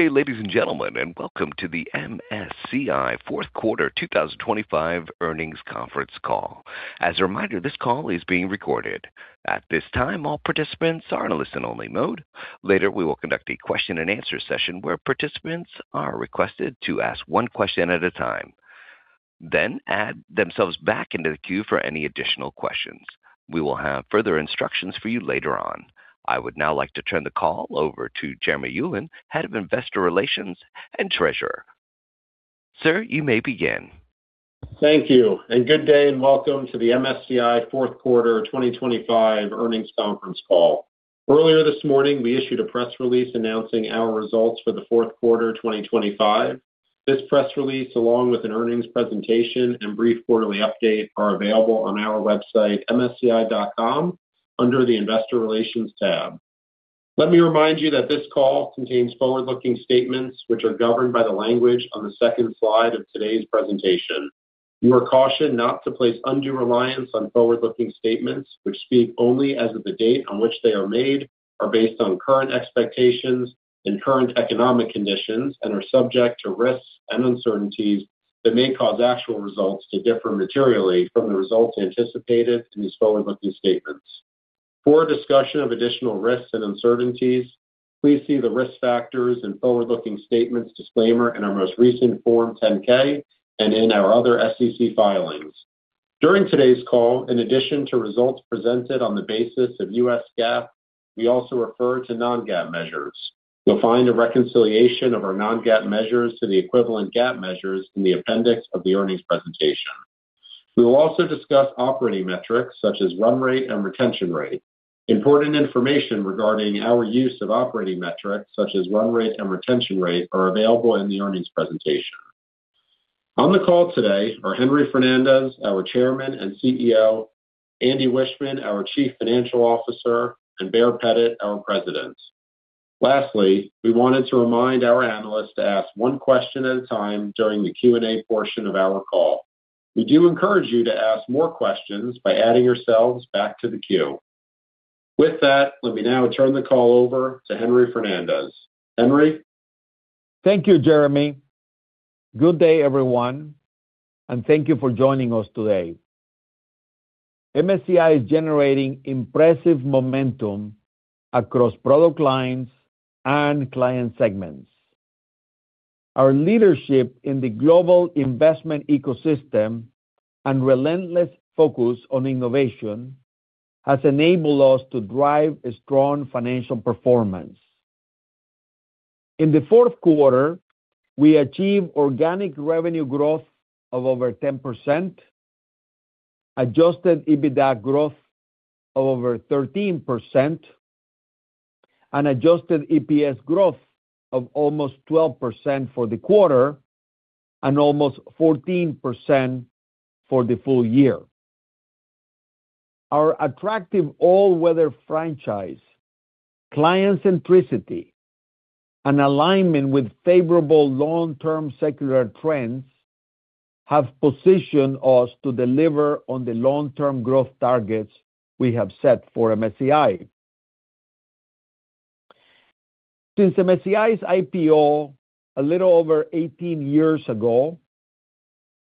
Hey, ladies and gentlemen, and welcome to the MSCI Fourth Quarter 2025 Earnings Conference Call. As a reminder, this call is being recorded. At this time, all participants are in a listen-only mode. Later, we will conduct a question-and-answer session where participants are requested to ask one question at a time, then add themselves back into the queue for any additional questions. We will have further instructions for you later on. I would now like to turn the call over to Jeremy Ulan, Head of Investor Relations and Treasurer. Sir, you may begin. Thank you, and good day, and welcome to the MSCI Fourth Quarter 2025 Earnings Conference Call. Earlier this morning, we issued a press release announcing our results for the fourth quarter 2025. This press release, along with an earnings presentation and brief quarterly update, are available on our website, MSCI.com, under the Investor Relations tab. Let me remind you that this call contains forward-looking statements which are governed by the language on the second slide of today's presentation. You are cautioned not to place undue reliance on forward-looking statements, which speak only as of the date on which they are made, are based on current expectations and current economic conditions, and are subject to risks and uncertainties that may cause actual results to differ materially from the results anticipated in these forward-looking statements. For a discussion of additional risks and uncertainties, please see the Risk Factors and Forward-Looking Statements Disclaimer in our most recent Form 10-K and in our other SEC filings. During today's call, in addition to results presented on the basis of US GAAP, we also refer to non-GAAP measures. You'll find a reconciliation of our non-GAAP measures to the equivalent GAAP measures in the appendix of the earnings presentation. We will also discuss operating metrics such as run rate and retention rate. Important information regarding our use of operating metrics, such as run rate and retention rate, are available in the earnings presentation. On the call today are Henry Fernandez, our chairman and CEO, Andy Wiechmann, our chief financial officer, and Baer Pettit, our president. Lastly, we wanted to remind our analysts to ask one question at a time during the Q&A portion of our call. We do encourage you to ask more questions by adding yourselves back to the queue. With that, let me now turn the call over to Henry Fernandez. Henry? Thank you, Jeremy. Good day, everyone, and thank you for joining us today. MSCI is generating impressive momentum across product lines and client segments. Our leadership in the global investment ecosystem and relentless focus on innovation has enabled us to drive a strong financial performance. In the fourth quarter, we achieved organic revenue growth of over 10%, adjusted EBITDA growth of over 13%, and adjusted EPS growth of almost 12% for the quarter and almost 14% for the full year. Our attractive all-weather franchise, client centricity, and alignment with favorable long-term secular trends have positioned us to deliver on the long-term growth targets we have set for MSCI. Since MSCI's IPO, a little over 18 years ago,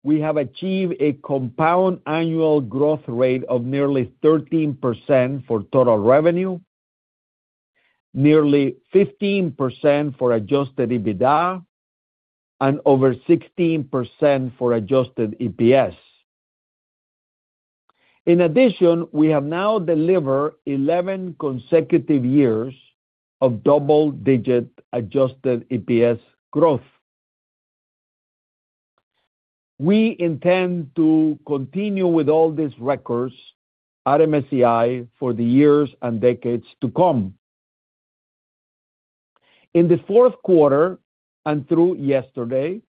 we have achieved a compound annual growth rate of nearly 13% for total revenue, nearly 15% for adjusted EBITDA, and over 16% for adjusted EPS. In addition, we have now delivered 11 consecutive years of double-digit Adjusted EPS growth. We intend to continue with all these records at MSCI for the years and decades to come. In the fourth quarter and through yesterday,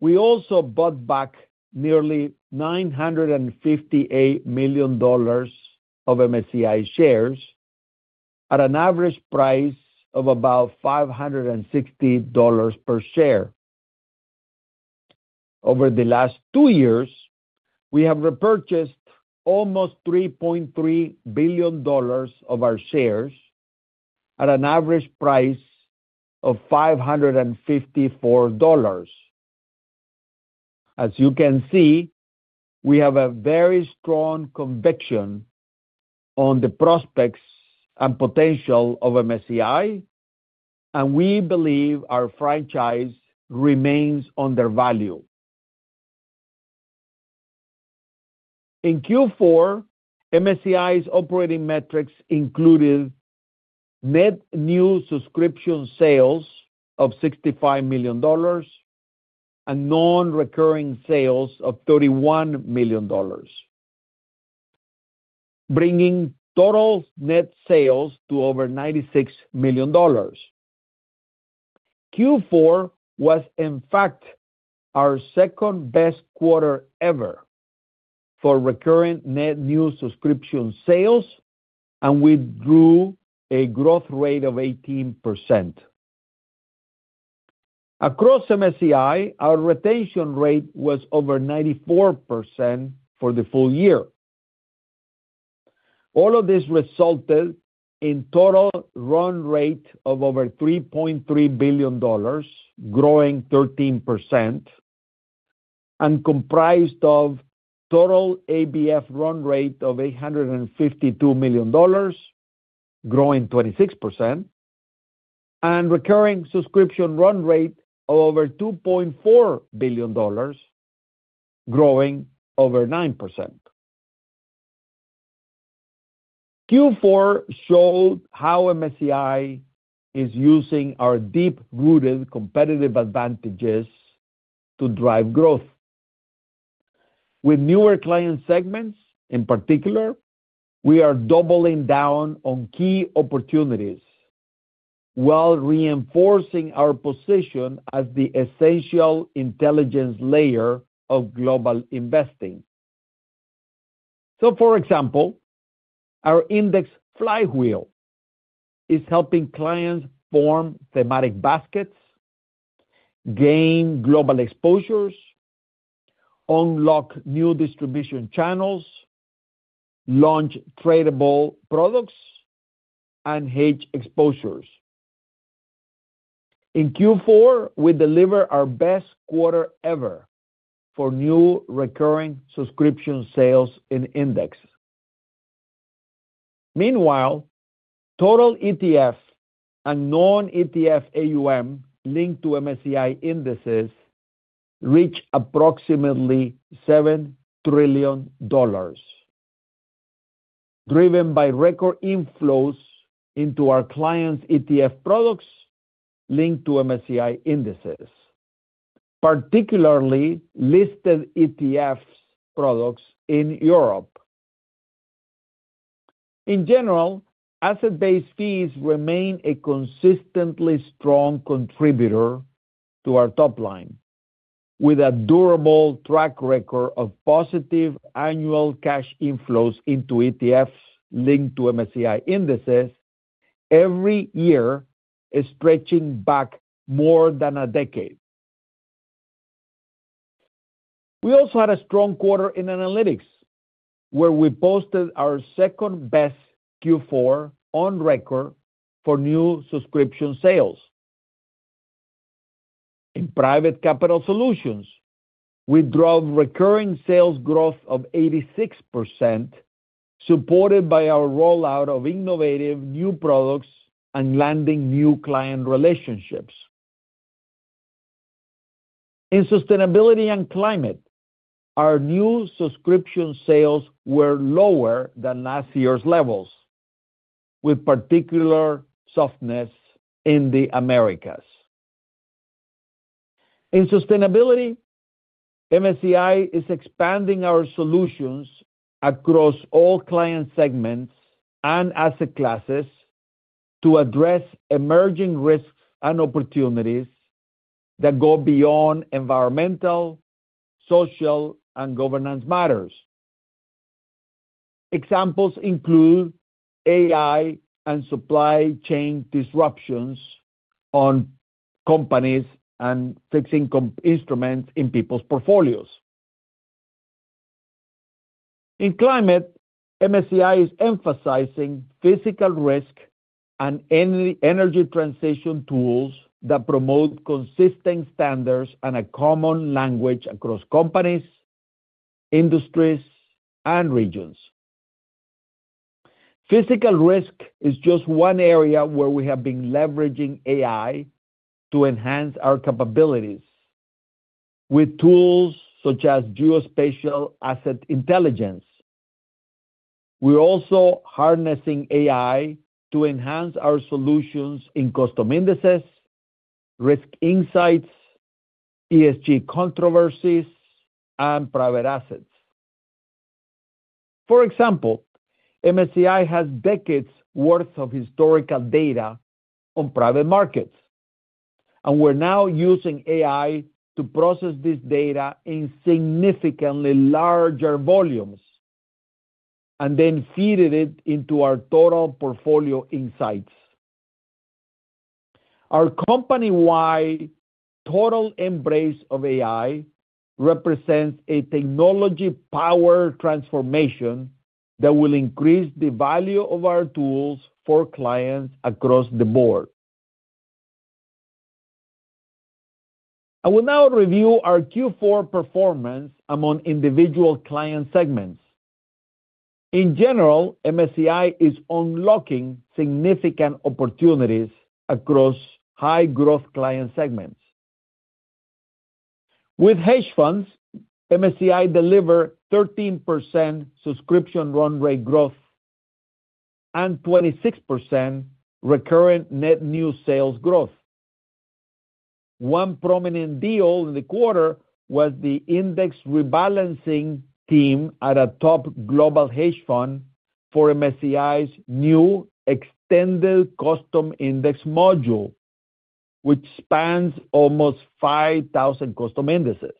we also bought back nearly $958 million of MSCI shares at an average price of about $560 per share. Over the last two years, we have repurchased almost $3.3 billion of our shares at an average price of $554. As you can see, we have a very strong conviction on the prospects and potential of MSCI, and we believe our franchise remains undervalued. In Q4, MSCI's operating metrics included net new subscription sales of $65 million and non-recurring sales of $31 million, bringing total net sales to over $96 million. Q4 was in fact our second-best quarter ever for recurring net new subscription sales, and we grew a growth rate of 18%. Across MSCI, our retention rate was over 94% for the full year. All of this resulted in total run rate of over $3.3 billion, growing 13%, and comprised of total ABF run rate of $852 million, growing 26%, and recurring subscription run rate of over $2.4 billion, growing over 9%. Q4 showed how MSCI is using our deep-rooted competitive advantages to drive growth. With newer client segments, in particular, we are doubling down on key opportunities while reinforcing our position as the essential intelligence layer of global investing. So, for example, our index flywheel is helping clients form thematic baskets, gain global exposures, unlock new distribution channels, launch tradable products, and hedge exposures. In Q4, we delivered our best quarter ever for new recurring subscription sales in Index. Meanwhile, total ETF and non-ETF AUM linked to MSCI indices reached approximately $7 trillion, driven by record inflows into our clients' ETF products linked to MSCI indices, particularly listed ETFs products in Europe. In general, asset-based fees remain a consistently strong contributor to our top line, with a durable track record of positive annual cash inflows into ETFs linked to MSCI indices every year is stretching back more than a decade. We also had a strong quarter in analytics, where we posted our second-best Q4 on record for new subscription sales. In Private Capital Solutions, we drove recurring sales growth of 86%, supported by our rollout of innovative new products and landing new client relationships. In sustainability and climate, our new subscription sales were lower than last year's levels, with particular softness in the Americas. In sustainability, MSCI is expanding our solutions across all client segments and asset classes to address emerging risks and opportunities that go beyond environmental, social, and governance matters. Examples include AI and supply chain disruptions on companies and fixed income instruments in people's portfolios. In climate, MSCI is emphasizing physical risk and energy transition tools that promote consistent standards and a common language across companies, industries, and regions. Physical risk is just one area where we have been leveraging AI to enhance our capabilities with tools such as Geospatial Asset Intelligence. We're also harnessing AI to enhance our solutions in custom indices, risk insights, ESG controversies, and private assets. For example, MSCI has decades worth of historical data on private markets, and we're now using AI to process this data in significantly larger volumes and then feed it into our Total Portfolio Insights. Our company-wide total embrace of AI represents a technology-powered transformation that will increase the value of our tools for clients across the board. I will now review our Q4 performance among individual client segments. In general, MSCI is unlocking significant opportunities across high-growth client segments. With hedge funds, MSCI delivered 13% subscription run rate growth and 26% recurring net new sales growth. One prominent deal in the quarter was the index rebalancing team at a top global hedge fund for MSCI's new extended custom index module, which spans almost 5,000 custom indices.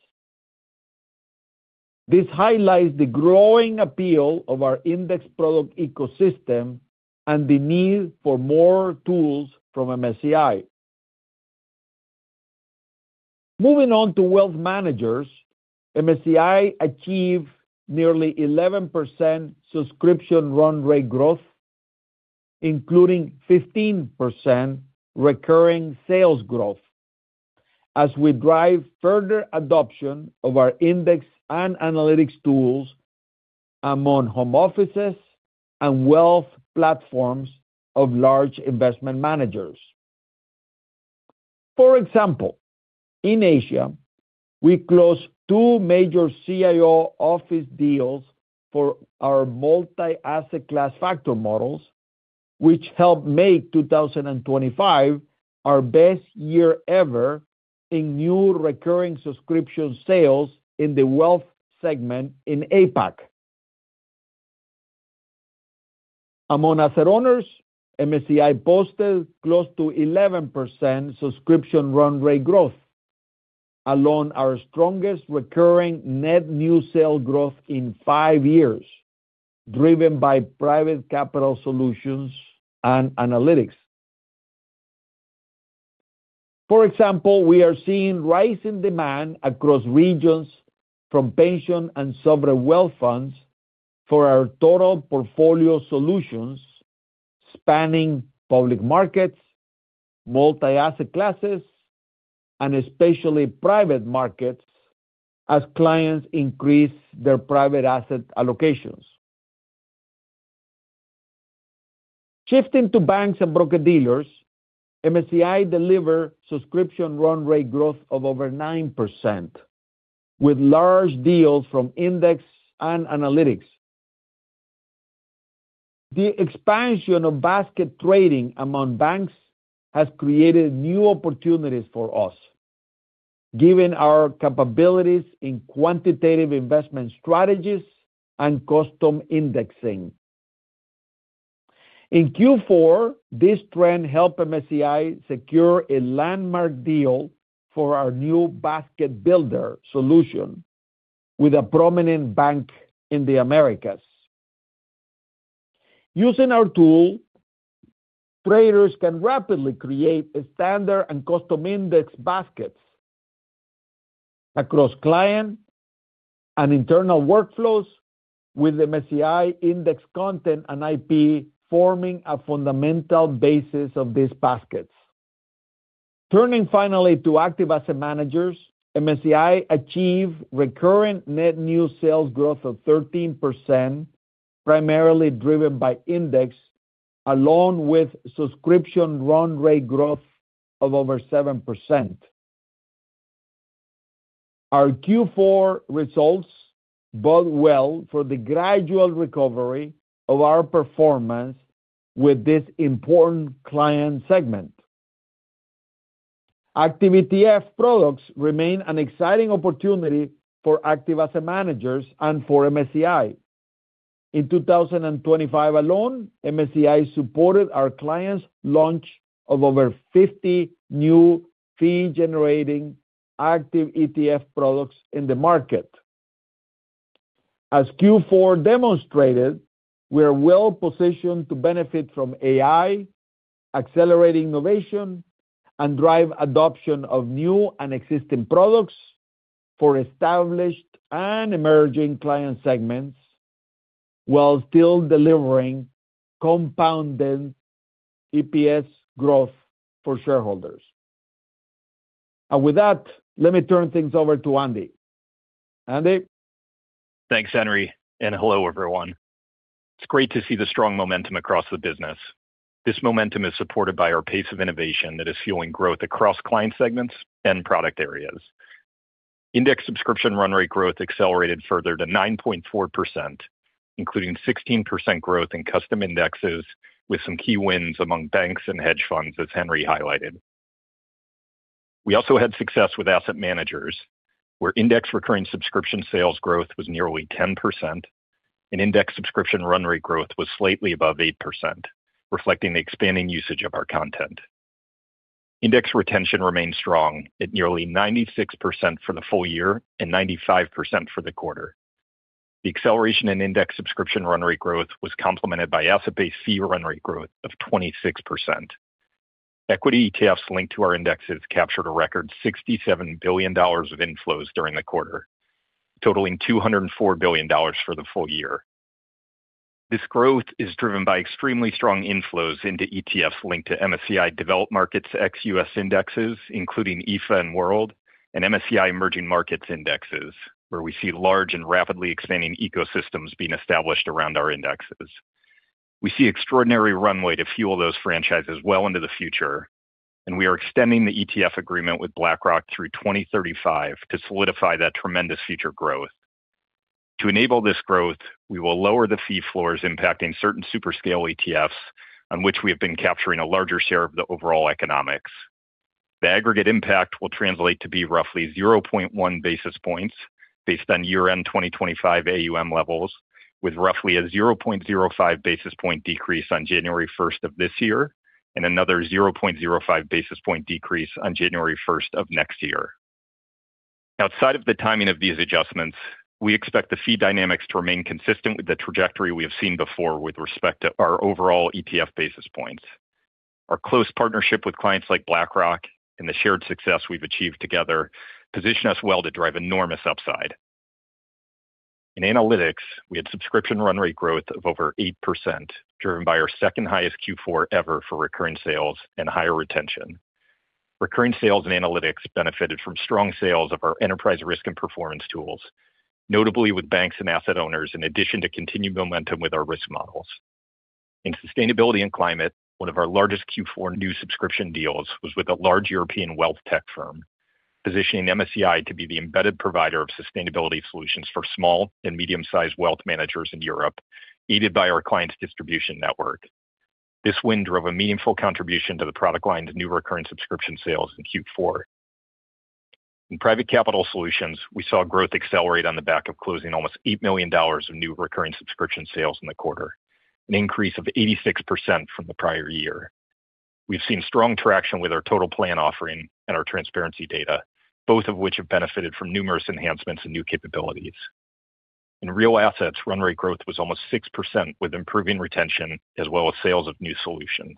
This highlights the growing appeal of our index product ecosystem and the need for more tools from MSCI.... Moving on to wealth managers, MSCI achieved nearly 11% subscription run rate growth, including 15% recurring sales growth, as we drive further adoption of our index and analytics tools among home offices and wealth platforms of large investment managers. For example, in Asia, we closed two major CIO office deals for our multi-asset class factor models, which helped make 2025 our best year ever in new recurring subscription sales in the wealth segment in APAC. Among asset owners, MSCI posted close to 11% subscription run rate growth, along our strongest recurring net new sale growth in five years, driven by private capital solutions and analytics. For example, we are seeing rising demand across regions from pension and sovereign wealth funds for our total portfolio solutions, spanning public markets, multi-asset classes, and especially private markets as clients increase their private assets allocations. Shifting to banks and broker-dealers, MSCI delivered subscription run rate growth of over 9%, with large deals from index and analytics. The expansion of basket trading among banks has created new opportunities for us, given our capabilities in quantitative investment strategies and custom indexing. In Q4, this trend helped MSCI secure a landmark deal for our new Basket Builder solution with a prominent bank in the Americas. Using our tool, traders can rapidly create a standard and custom index baskets across client and internal workflows with MSCI index content and IP forming a fundamental basis of these baskets. Turning finally to active asset managers, MSCI achieved recurring net new sales growth of 13%, primarily driven by index along with subscription run rate growth of over 7%. Our Q4 results bode well for the gradual recovery of our performance with this important client segment. Active ETF products remain an exciting opportunity for active asset managers and for MSCI. In 2025 alone, MSCI supported our clients' launch of over 50 new fee-generating active ETF products in the market. As Q4 demonstrated, we are well positioned to benefit from AI, accelerating innovation, and drive adoption of new and existing products for established and emerging client segments, while still delivering compounded EPS growth for shareholders. And with that, let me turn things over to Andy. Andy? Thanks, Henry, and hello, everyone. It's great to see the strong momentum across the business. This momentum is supported by our pace of innovation that is fueling growth across client segments and product areas. Index subscription run rate growth accelerated further to 9.4%, including 16% growth in custom indexes, with some key wins among banks and hedge funds, as Henry highlighted. We also had success with asset managers, where index recurring subscription sales growth was nearly 10% and index subscription run rate growth was slightly above 8%, reflecting the expanding usage of our content. Index retention remains strong at nearly 96% for the full year and 95% for the quarter. The acceleration in index subscription run rate growth was complemented by asset-based fee run rate growth of 26%. Equity ETFs linked to our indexes captured a record $67 billion of inflows during the quarter, totaling $204 billion for the full year. This growth is driven by extremely strong inflows into ETFs linked to MSCI Developed Markets, ex-US indexes, including EAFE and World, and MSCI Emerging Markets Indexes, where we see large and rapidly expanding ecosystems being established around our indexes. We see extraordinary runway to fuel those franchises well into the future, and we are extending the ETF agreement with BlackRock through 2035 to solidify that tremendous future growth. To enable this growth, we will lower the fee floors impacting certain super scale ETFs, on which we have been capturing a larger share of the overall economics. The aggregate impact will translate to be roughly 0.1 basis points based on year-end 2025 AUM levels, with roughly a 0.05 basis point decrease on January 1 of this year, and another 0.05 basis point decrease on January 1 of next year. Outside of the timing of these adjustments, we expect the fee dynamics to remain consistent with the trajectory we have seen before with respect to our overall ETF basis points. Our close partnership with clients like BlackRock and the shared success we've achieved together position us well to drive enormous upside. In analytics, we had subscription run rate growth of over 8%, driven by our second highest Q4 ever for recurring sales and higher retention. Recurring sales and analytics benefited from strong sales of our enterprise risk and performance tools, notably with banks and asset owners, in addition to continued momentum with our risk models. In sustainability and climate, one of our largest Q4 new subscription deals was with a large European wealth tech firm, positioning MSCI to be the embedded provider of sustainability solutions for small and medium-sized wealth managers in Europe, aided by our client's distribution network. This win drove a meaningful contribution to the product line's new recurring subscription sales in Q4. In private capital solutions, we saw growth accelerate on the back of closing almost $8 million of new recurring subscription sales in the quarter, an increase of 86% from the prior year. We've seen strong traction with our Total Plan offering and our transparency data, both of which have benefited from numerous enhancements and new capabilities. In real assets, run rate growth was almost 6%, with improving retention as well as sales of new solutions.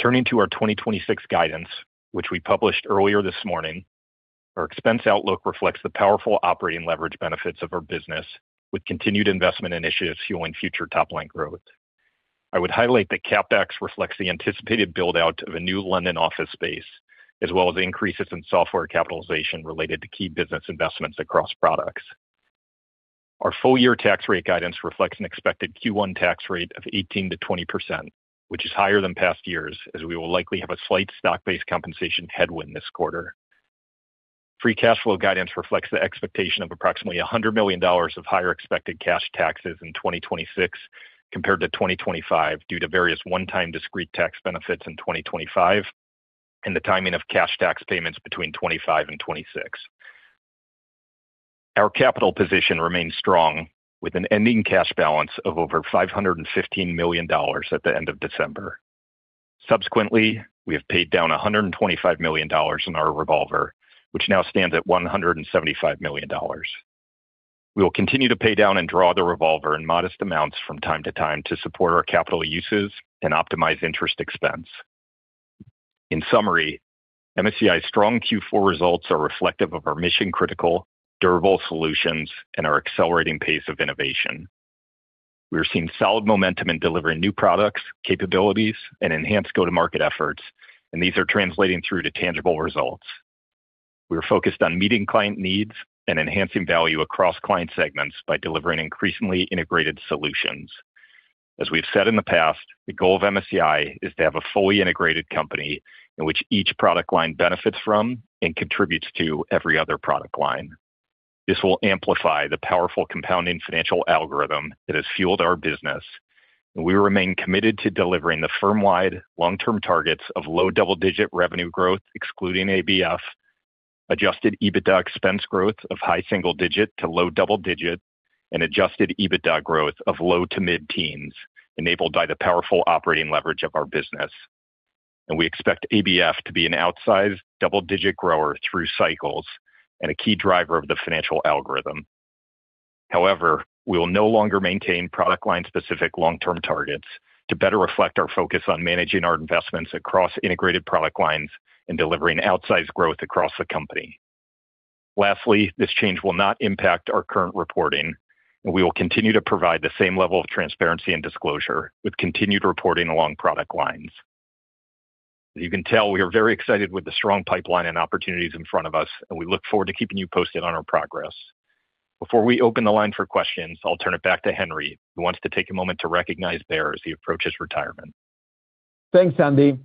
Turning to our 2026 guidance, which we published earlier this morning, our expense outlook reflects the powerful operating leverage benefits of our business, with continued investment initiatives fueling future top-line growth. I would highlight that CapEx reflects the anticipated build-out of a new London office space, as well as increases in software capitalization related to key business investments across products. Our full-year tax rate guidance reflects an expected Q1 tax rate of 18%-20%, which is higher than past years, as we will likely have a slight stock-based compensation headwind this quarter. Free cash flow guidance reflects the expectation of approximately $100 million of higher expected cash taxes in 2026 compared to 2025, due to various one-time discrete tax benefits in 2025 and the timing of cash tax payments between 2025 and 2026. Our capital position remains strong, with an ending cash balance of over $515 million at the end of December. Subsequently, we have paid down $125 million in our revolver, which now stands at $175 million. We will continue to pay down and draw the revolver in modest amounts from time to time to support our capital uses and optimize interest expense. In summary, MSCI's strong Q4 results are reflective of our mission-critical, durable solutions and our accelerating pace of innovation. We are seeing solid momentum in delivering new products, capabilities, and enhanced go-to-market efforts, and these are translating through to tangible results. We are focused on meeting client needs and enhancing value across client segments by delivering increasingly integrated solutions. As we've said in the past, the goal of MSCI is to have a fully integrated company in which each product line benefits from and contributes to every other product line. This will amplify the powerful compounding financial algorithm that has fueled our business, and we remain committed to delivering the firm-wide long-term targets of low double-digit revenue growth, excluding ABF, adjusted EBITDA expense growth of high single-digit to low double-digit, and adjusted EBITDA growth of low to mid-teens, enabled by the powerful operating leverage of our business. We expect ABF to be an outsized double-digit grower through cycles and a key driver of the financial algorithm. However, we will no longer maintain product line-specific long-term targets to better reflect our focus on managing our investments across integrated product lines and delivering outsized growth across the company. Lastly, this change will not impact our current reporting, and we will continue to provide the same level of transparency and disclosure with continued reporting along product lines. As you can tell, we are very excited with the strong pipeline and opportunities in front of us, and we look forward to keeping you posted on our progress. Before we open the line for questions, I'll turn it back to Henry, who wants to take a moment to recognize Baer as he approaches retirement. Thanks, Andy.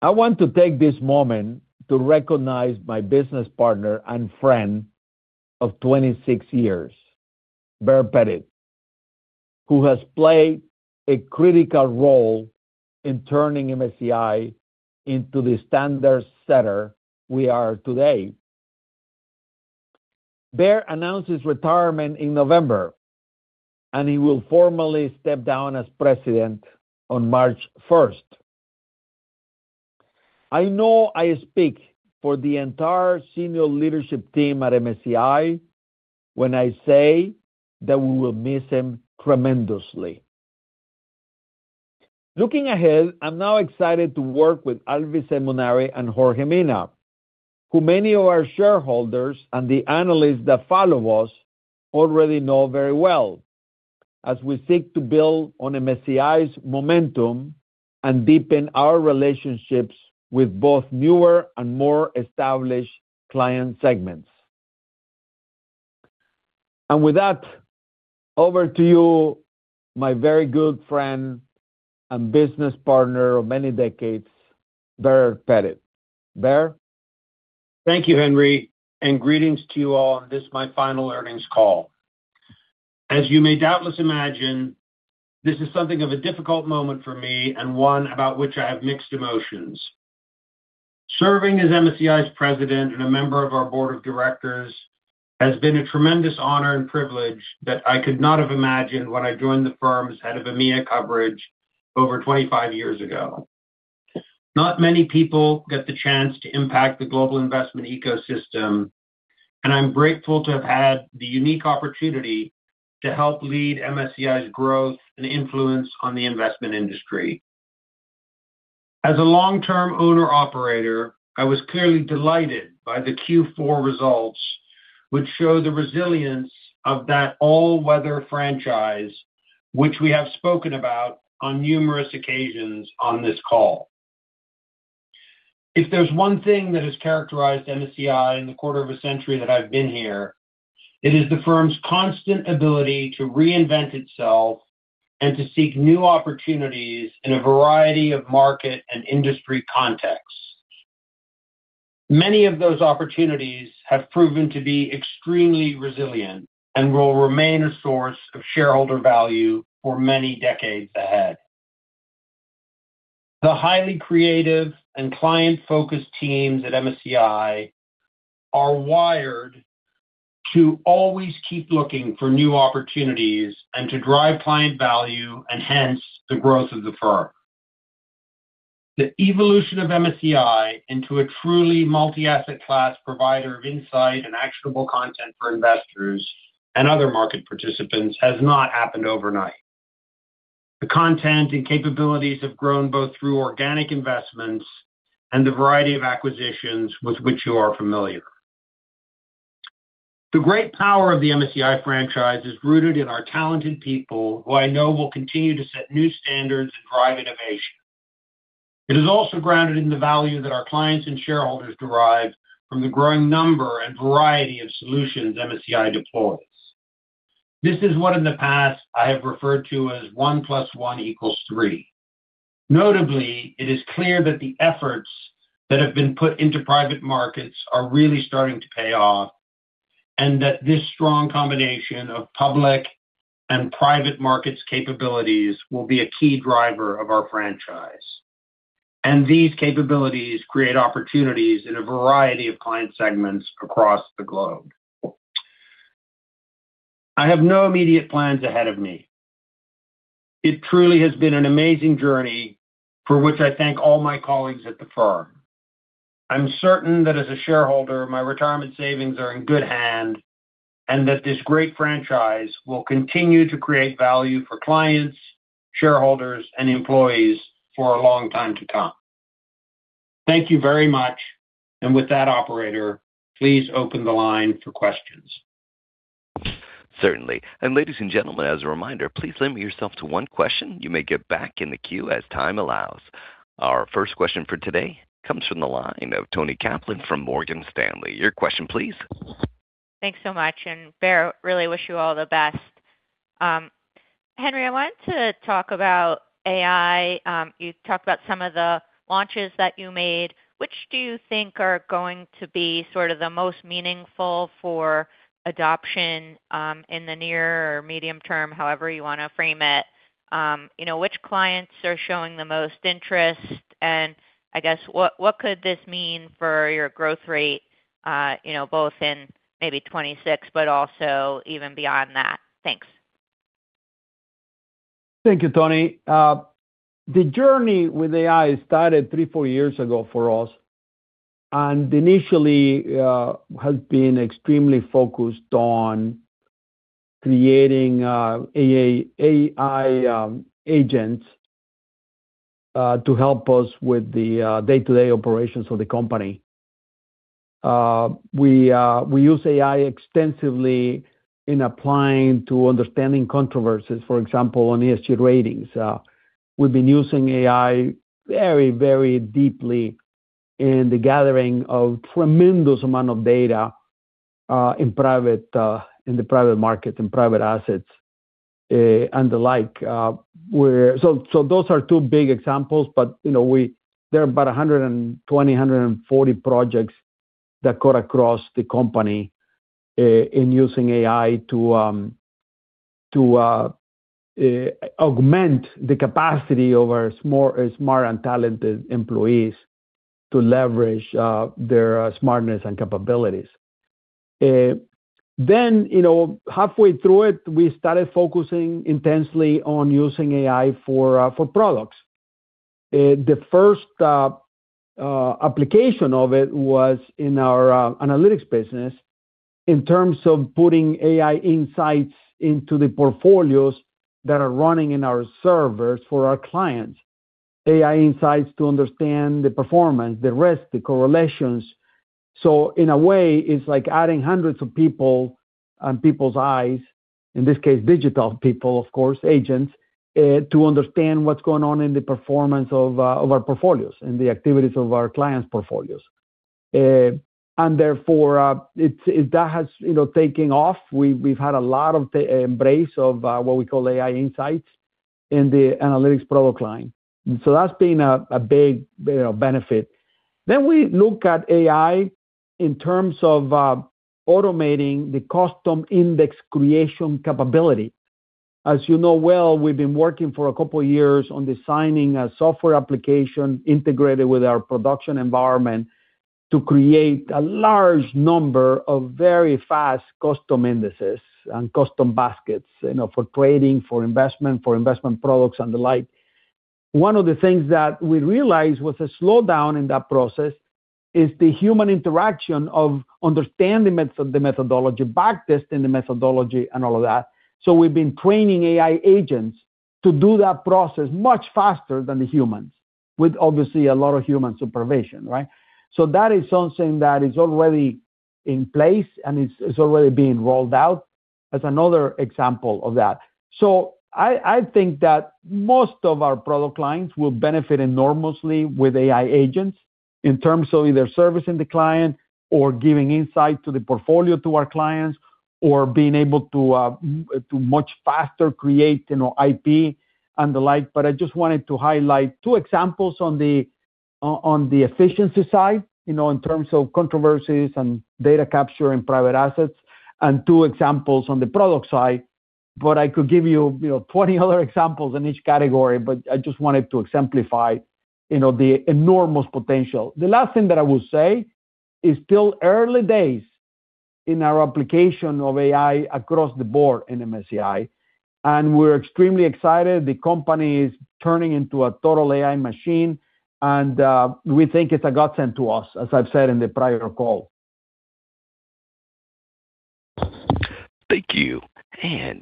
I want to take this moment to recognize my business partner and friend of 26 years, Baer Pettit, who has played a critical role in turning MSCI into the standard setter we are today. Baer announced his retirement in November, and he will formally step down as president on March 1. I know I speak for the entire senior leadership team at MSCI when I say that we will miss him tremendously. Looking ahead, I'm now excited to work with Alvise Munari and Jorge Mina, who many of our shareholders and the analysts that follow us already know very well, as we seek to build on MSCI's momentum and deepen our relationships with both newer and more established client segments. And with that, over to you, my very good friend and business partner of many decades, Baer Pettit. Baer? Thank you, Henry, and greetings to you all on this, my final earnings call. As you may doubtless imagine, this is something of a difficult moment for me and one about which I have mixed emotions. Serving as MSCI's president and a member of our board of directors- ... has been a tremendous honor and privilege that I could not have imagined when I joined the firm as head of EMEA coverage over 25 years ago. Not many people get the chance to impact the global investment ecosystem, and I'm grateful to have had the unique opportunity to help lead MSCI's growth and influence on the investment industry. As a long-term owner-operator, I was clearly delighted by the Q4 results, which show the resilience of that all-weather franchise, which we have spoken about on numerous occasions on this call. If there's one thing that has characterized MSCI in the quarter of a century that I've been here, it is the firm's constant ability to reinvent itself and to seek new opportunities in a variety of market and industry contexts. Many of those opportunities have proven to be extremely resilient and will remain a source of shareholder value for many decades ahead. The highly creative and client-focused teams at MSCI are wired to always keep looking for new opportunities and to drive client value, and hence, the growth of the firm. The evolution of MSCI into a truly multi-asset class provider of insight and actionable content for investors and other market participants, has not happened overnight. The content and capabilities have grown both through organic investments and the variety of acquisitions with which you are familiar. The great power of the MSCI franchise is rooted in our talented people, who I know will continue to set new standards and drive innovation. It is also grounded in the value that our clients and shareholders derive from the growing number and variety of solutions MSCI deploys. This is what in the past I have referred to as one plus one equals three. Notably, it is clear that the efforts that have been put into private markets are really starting to pay off, and that this strong combination of public and private markets capabilities will be a key driver of our franchise. These capabilities create opportunities in a variety of client segments across the globe. I have no immediate plans ahead of me. It truly has been an amazing journey for which I thank all my colleagues at the firm. I'm certain that as a shareholder, my retirement savings are in good hand, and that this great franchise will continue to create value for clients, shareholders, and employees for a long time to come. Thank you very much. With that, operator, please open the line for questions. Certainly. And ladies and gentlemen, as a reminder, please limit yourself to one question. You may get back in the queue as time allows. Our first question for today comes from the line of Toni Kaplan from Morgan Stanley. Your question, please. Thanks so much, and Baer, really wish you all the best. Henry, I wanted to talk about AI. You talked about some of the launches that you made. Which do you think are going to be sort of the most meaningful for adoption, in the near or medium term, however you want to frame it? You know, which clients are showing the most interest, and I guess, what could this mean for your growth rate, you know, both in maybe 2026, but also even beyond that? Thanks. Thank you, Toni. The journey with AI started three/four years ago for us, and initially, has been extremely focused on creating AI agents to help us with the day-to-day operations of the company. We use AI extensively in applying to understanding controversies, for example, on ESG ratings. We've been using AI very, very deeply in the gathering of tremendous amount of data in private, in the private market and private assets, and the like. So, those are two big examples, but, you know, there are about 120-140 projects that cut across the company in using AI to augment the capacity of our smart, smart and talented employees to leverage their smartness and capabilities. Then, you know, halfway through it, we started focusing intensely on using AI for products. The first application of it was in our analytics business in terms of putting AI insights into the portfolios that are running in our servers for our clients. AI insights to understand the performance, the risk, the correlations. So in a way, it's like adding hundreds of people and people's eyes, in this case, digital people, of course, agents, to understand what's going on in the performance of our portfolios and the activities of our clients' portfolios. And therefore, it's that has, you know, taken off. We've had a lot of the embrace of what we call AI insights in the analytics product line. And so that's been a big benefit. Then we look at AI in terms of automating the custom index creation capability. As you know well, we've been working for a couple of years on designing a software application integrated with our production environment, to create a large number of very fast custom indices and custom baskets, you know, for trading, for investment, for investment products and the like. One of the things that we realized with a slowdown in that process is the human interaction of understanding the methodology, backtesting the methodology and all of that. So we've been training AI agents to do that process much faster than the humans, with obviously a lot of human supervision, right? So that is something that is already in place, and it's already being rolled out as another example of that. So I think that most of our product clients will benefit enormously with AI agents, in terms of either servicing the client or giving insight to the portfolio to our clients, or being able to to much faster create, you know, IP and the like. But I just wanted to highlight two examples on the, on, on the efficiency side, you know, in terms of controversies and data capture and private assets, and two examples on the product side. But I could give you, you know, 20 other examples in each category, but I just wanted to exemplify, you know, the enormous potential. The last thing that I will say, it's still early days in our application of AI across the board in MSCI, and we're extremely excited. The company is turning into a total AI machine, and we think it's a godsend to us, as I've said in the prior call. Thank you.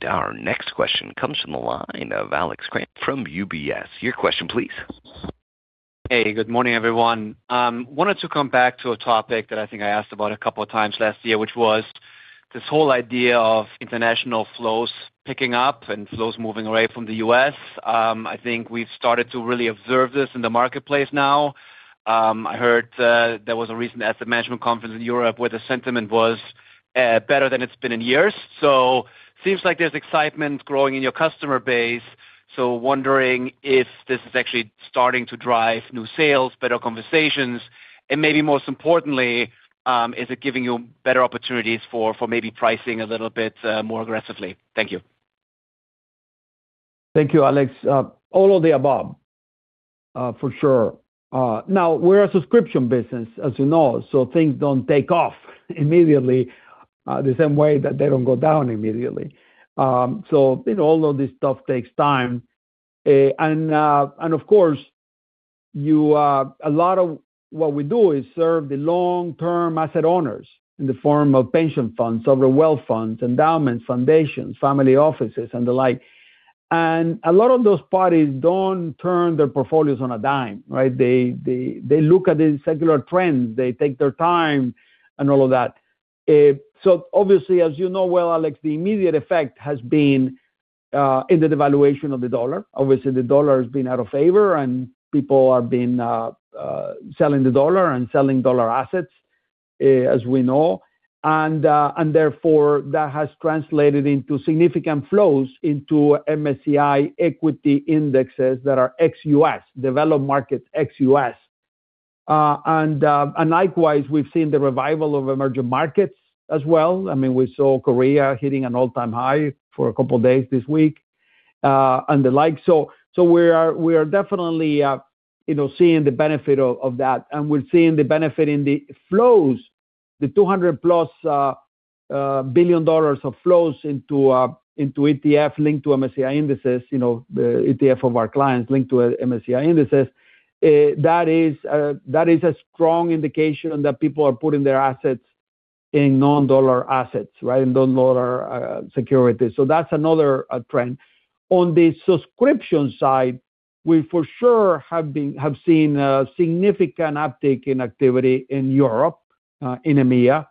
Our next question comes from the line of Alex Kramm from UBS. Your question please. Hey, good morning, everyone. Wanted to come back to a topic that I think I asked about a couple of times last year, which was this whole idea of international flows picking up and flows moving away from the U.S. I think we've started to really observe this in the marketplace now. I heard, there was a recent asset management conference in Europe, where the sentiment was, better than it's been in years. So seems like there's excitement growing in your customer base. So wondering if this is actually starting to drive new sales, better conversations, and maybe most importantly, is it giving you better opportunities for, maybe pricing a little bit, more aggressively? Thank you. Thank you, Alex. All of the above, for sure. Now, we're a subscription business, as you know, so things don't take off immediately, the same way that they don't go down immediately. So, you know, all of this stuff takes time. And, of course, a lot of what we do is serve the long-term asset owners in the form of pension funds, sovereign wealth funds, endowments, foundations, family offices, and the like. And a lot of those parties don't turn their portfolios on a dime, right? They look at the secular trends, they take their time and all of that. So obviously, as you know well, Alex, the immediate effect has been in the devaluation of the dollar. Obviously, the dollar has been out of favor, and people have been selling the dollar and selling dollar assets, as we know. And therefore, that has translated into significant flows into MSCI equity indexes that are ex-U.S., developed markets ex-U.S.. And likewise, we've seen the revival of emerging markets as well. I mean, we saw Korea hitting an all-time high for a couple of days this week, and the like. So we are definitely, you know, seeing the benefit of that, and we're seeing the benefit in the flows, the $200+ billion of flows into ETF linked to MSCI indices, you know, the ETF of our clients linked to MSCI indices. That is a strong indication that people are putting their assets in non-dollar assets, right? In non-dollar securities. So that's another trend. On the subscription side, we for sure have seen significant uptick in activity in Europe, in EMEA.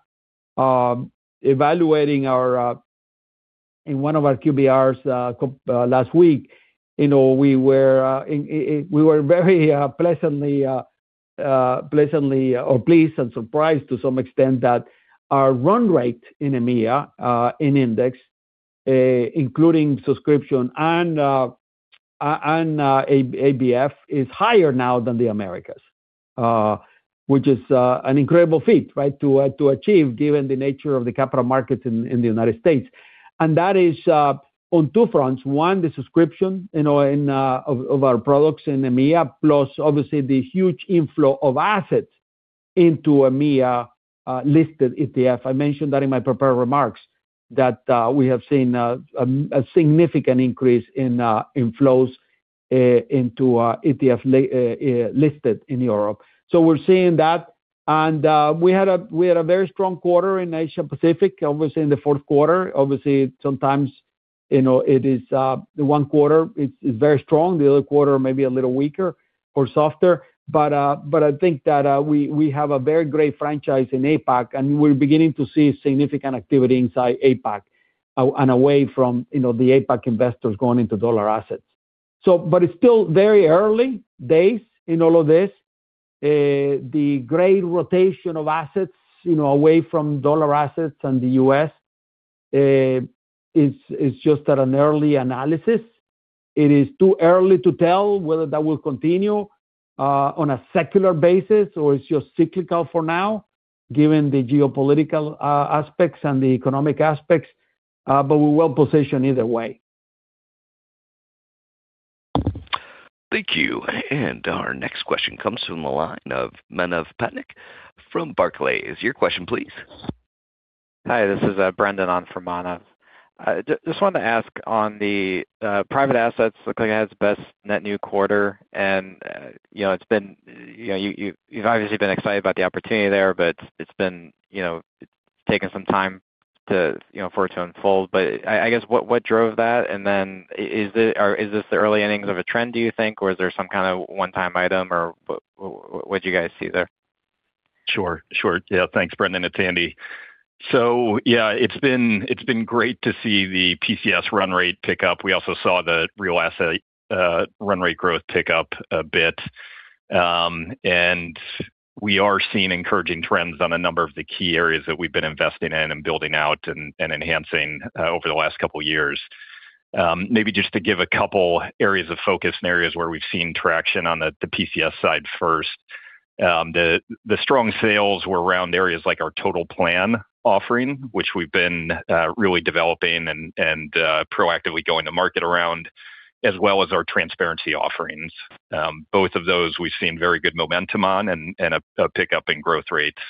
In one of our QBRs last week, you know, we were very pleasantly or pleased and surprised to some extent that our run rate in EMEA in index, including subscription and ABF, is higher now than the Americas. Which is an incredible feat, right, to achieve, given the nature of the capital markets in the United States. And that is on two fronts. One, the subscription, you know, in, of, of our products in EMEA, plus obviously the huge inflow of assets into EMEA, listed ETF. I mentioned that in my prepared remarks, that, we have seen, a significant increase in, in flows, into our ETF, listed in Europe. So we're seeing that. And, we had a very strong quarter in Asia Pacific, obviously in the fourth quarter. Obviously, sometimes, you know, it is, the one quarter is very strong, the other quarter may be a little weaker or softer. But, but I think that, we have a very great franchise in APAC, and we're beginning to see significant activity inside APAC, and away from, you know, the APAC investors going into dollar assets. But it's still very early days in all of this. The great rotation of assets, you know, away from dollar assets and the U.S., is just at an early innings. It is too early to tell whether that will continue on a secular basis or it's just cyclical for now, given the geopolitical aspects and the economic aspects, but we're well positioned either way. Thank you. And our next question comes from the line of Manav Patnaik from Barclays. Your question please. Hi, this is Brendan on for Manav. I just wanted to ask on the private assets. It looks like it had its best net new quarter, and you know, it's been, you know, you've obviously been excited about the opportunity there, but it's been, you know, it's taken some time to, you know, for it to unfold. But I guess, what drove that? And then is it or is this the early innings of a trend, do you think, or is there some kind of one-time item or what'd you guys see there? Sure, sure. Yeah, thanks, Brendan. It's Andy. So yeah, it's been, it's been great to see the PCS run rate pick up. We also saw the real asset run rate growth pick up a bit. And we are seeing encouraging trends on a number of the key areas that we've been investing in and building out and enhancing over the last couple of years. Maybe just to give a couple areas of focus and areas where we've seen traction on the PCS side first. The strong sales were around areas like our Total Plan offering, which we've been really developing and proactively going to market around, as well as our transparency offerings. Both of those we've seen very good momentum on and a pick up in growth rates.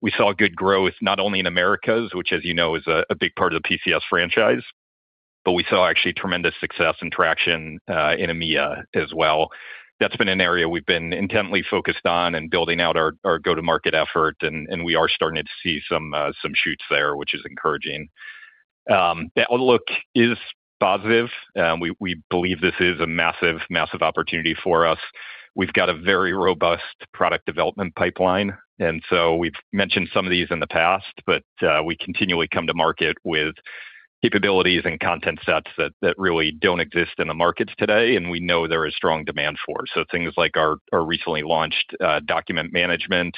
We saw good growth not only in Americas, which, as you know, is a big part of the PCS franchise, but we saw actually tremendous success and traction in EMEA as well. That's been an area we've been intently focused on and building out our go-to-market effort, and we are starting to see some shoots there, which is encouraging. The outlook is positive, and we believe this is a massive, massive opportunity for us. We've got a very robust product development pipeline, and so we've mentioned some of these in the past, but we continually come to market with capabilities and content sets that really don't exist in the markets today, and we know there is strong demand for. So things like our recently launched document management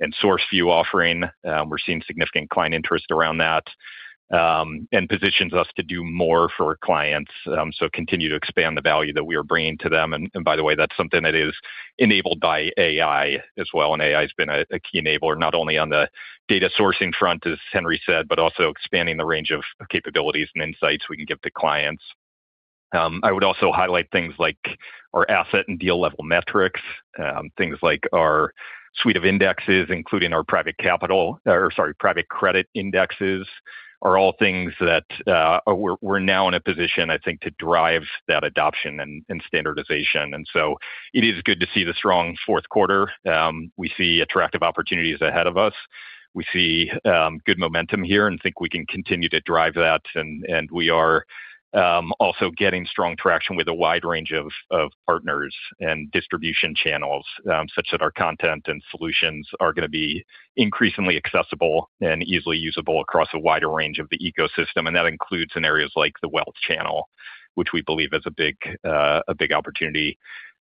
and SourceView offering, we're seeing significant client interest around that, and positions us to do more for our clients. So continue to expand the value that we are bringing to them. And by the way, that's something that is enabled by AI as well, and AI has been a key enabler, not only on the data sourcing front, as Henry said, but also expanding the range of capabilities and insights we can give to clients. I would also highlight things like our asset and deal level metrics, things like our suite of indexes, including our private capital, or sorry, private credit indexes, are all things that we're now in a position, I think, to drive that adoption and standardization. So it is good to see the strong fourth quarter. We see attractive opportunities ahead of us. We see good momentum here and think we can continue to drive that, and we are also getting strong traction with a wide range of partners and distribution channels, such that our content and solutions are gonna be increasingly accessible and easily usable across a wider range of the ecosystem, and that includes in areas like the wealth channel, which we believe is a big, a big opportunity.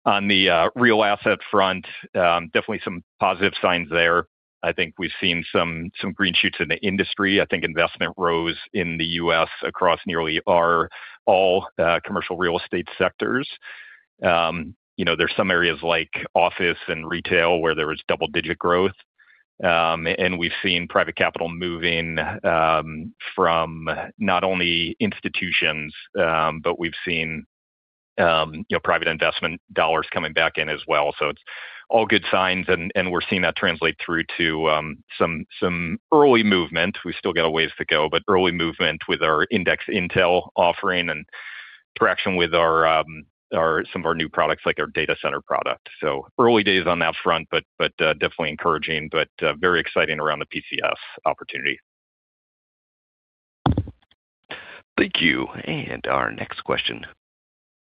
On the real asset front, definitely some positive signs there. I think we've seen some green shoots in the industry. I think investment rose in the U.S. across nearly all commercial real estate sectors. You know, there's some areas like office and retail where there was double-digit growth. And we've seen private capital moving from not only institutions, but we've seen, you know, private investment dollars coming back in as well. So it's all good signs, and we're seeing that translate through to some, some early movement. We've still got a ways to go, but early movement with our Index Intel offering and traction with our, our, some of our new products, like our data center product. So early days on that front, but, but, definitely encouraging, but, very exciting around the PCS opportunity. Thank you. Our next question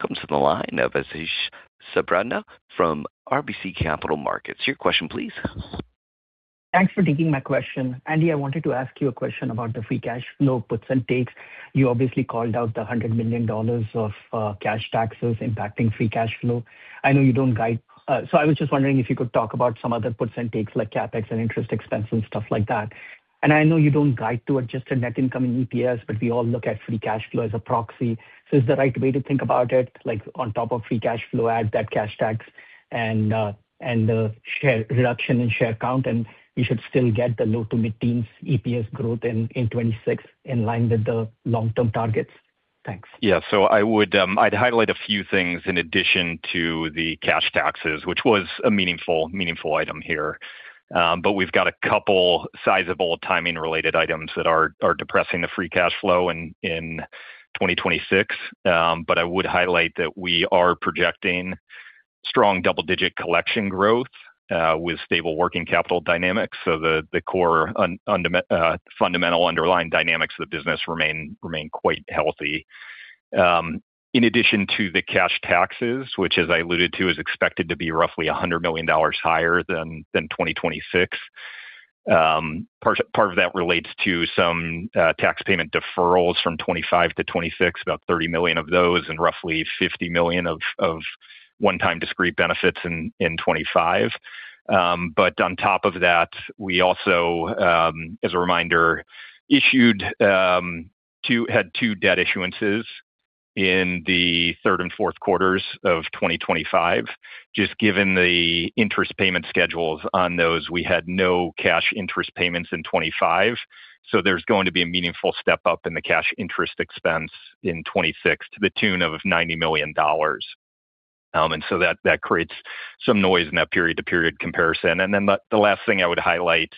comes from the line of Ashish Sabadra from RBC Capital Markets. Your question, please. Thanks for taking my question. Andy, I wanted to ask you a question about the free cash flow puts and takes. You obviously called out the $100 million of cash taxes impacting free cash flow. I know you don't guide, so I was just wondering if you could talk about some other puts and takes, like CapEx and interest expense and stuff like that. And I know you don't guide to adjusted net income in EPS, but we all look at free cash flow as a proxy. So is the right way to think about it, like, on top of free cash flow, add that cash tax and, and the share reduction in share count, and we should still get the low- to mid-teens EPS growth in 2026, in line with the long-term targets? Thanks. Yeah. So I'd highlight a few things in addition to the cash taxes, which was a meaningful, meaningful item here. But we've got a couple sizable timing-related items that are depressing the free cash flow in 2026. But I would highlight that we are projecting strong double-digit collection growth with stable working capital dynamics. So the core fundamental underlying dynamics of the business remain quite healthy. In addition to the cash taxes, which as I alluded to, is expected to be roughly $100 million higher than 2026. Part of that relates to some tax payment deferrals from 2025 to 2026, about $30 million of those, and roughly $50 million of one-time discrete benefits in 2025. But on top of that, we also, as a reminder, had two debt issuances in the third and fourth quarters of 2025. Just given the interest payment schedules on those, we had no cash interest payments in 2025, so there's going to be a meaningful step-up in the cash interest expense in 2026 to the tune of $90 million. And so that creates some noise in that period-to-period comparison. Then the last thing I would highlight,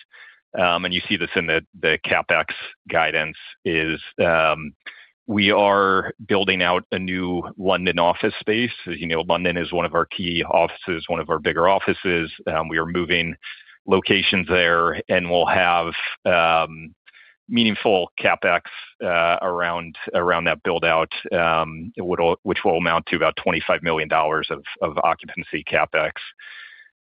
and you see this in the CapEx guidance, is we are building out a new London office space. As you know, London is one of our key offices, one of our bigger offices. We are moving locations there, and we'll have meaningful CapEx around that build-out, which will amount to about $25 million of occupancy CapEx.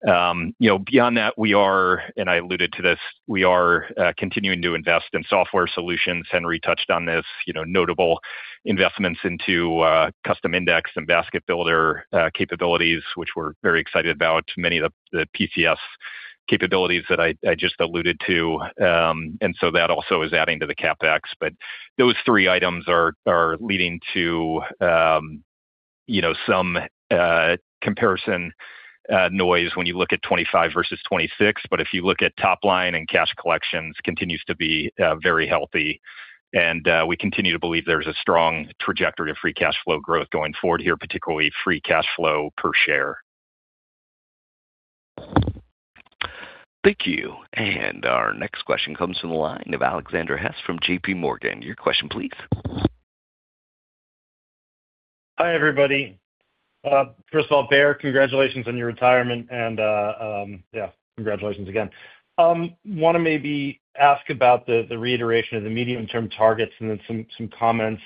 You know, beyond that, we are, and I alluded to this, we are continuing to invest in software solutions. Henry touched on this, you know, notable investments into Custom Index and Basket Builder capabilities, which we're very excited about. Many of the PCS capabilities that I just alluded to, and so that also is adding to the CapEx. But those three items are leading to you know, some comparison noise when you look at 2025 versus 2026. But if you look at top line and cash collections, continues to be very healthy, and we continue to believe there's a strong trajectory of free cash flow growth going forward here, particularly free cash flow per share. Thank you. Our next question comes from the line of Alexander Hess from JPMorgan. Your question, please. Hi, everybody. First of all, Baer, congratulations on your retirement, and yeah, congratulations again. Wanna maybe ask about the reiteration of the medium-term targets and then some comments,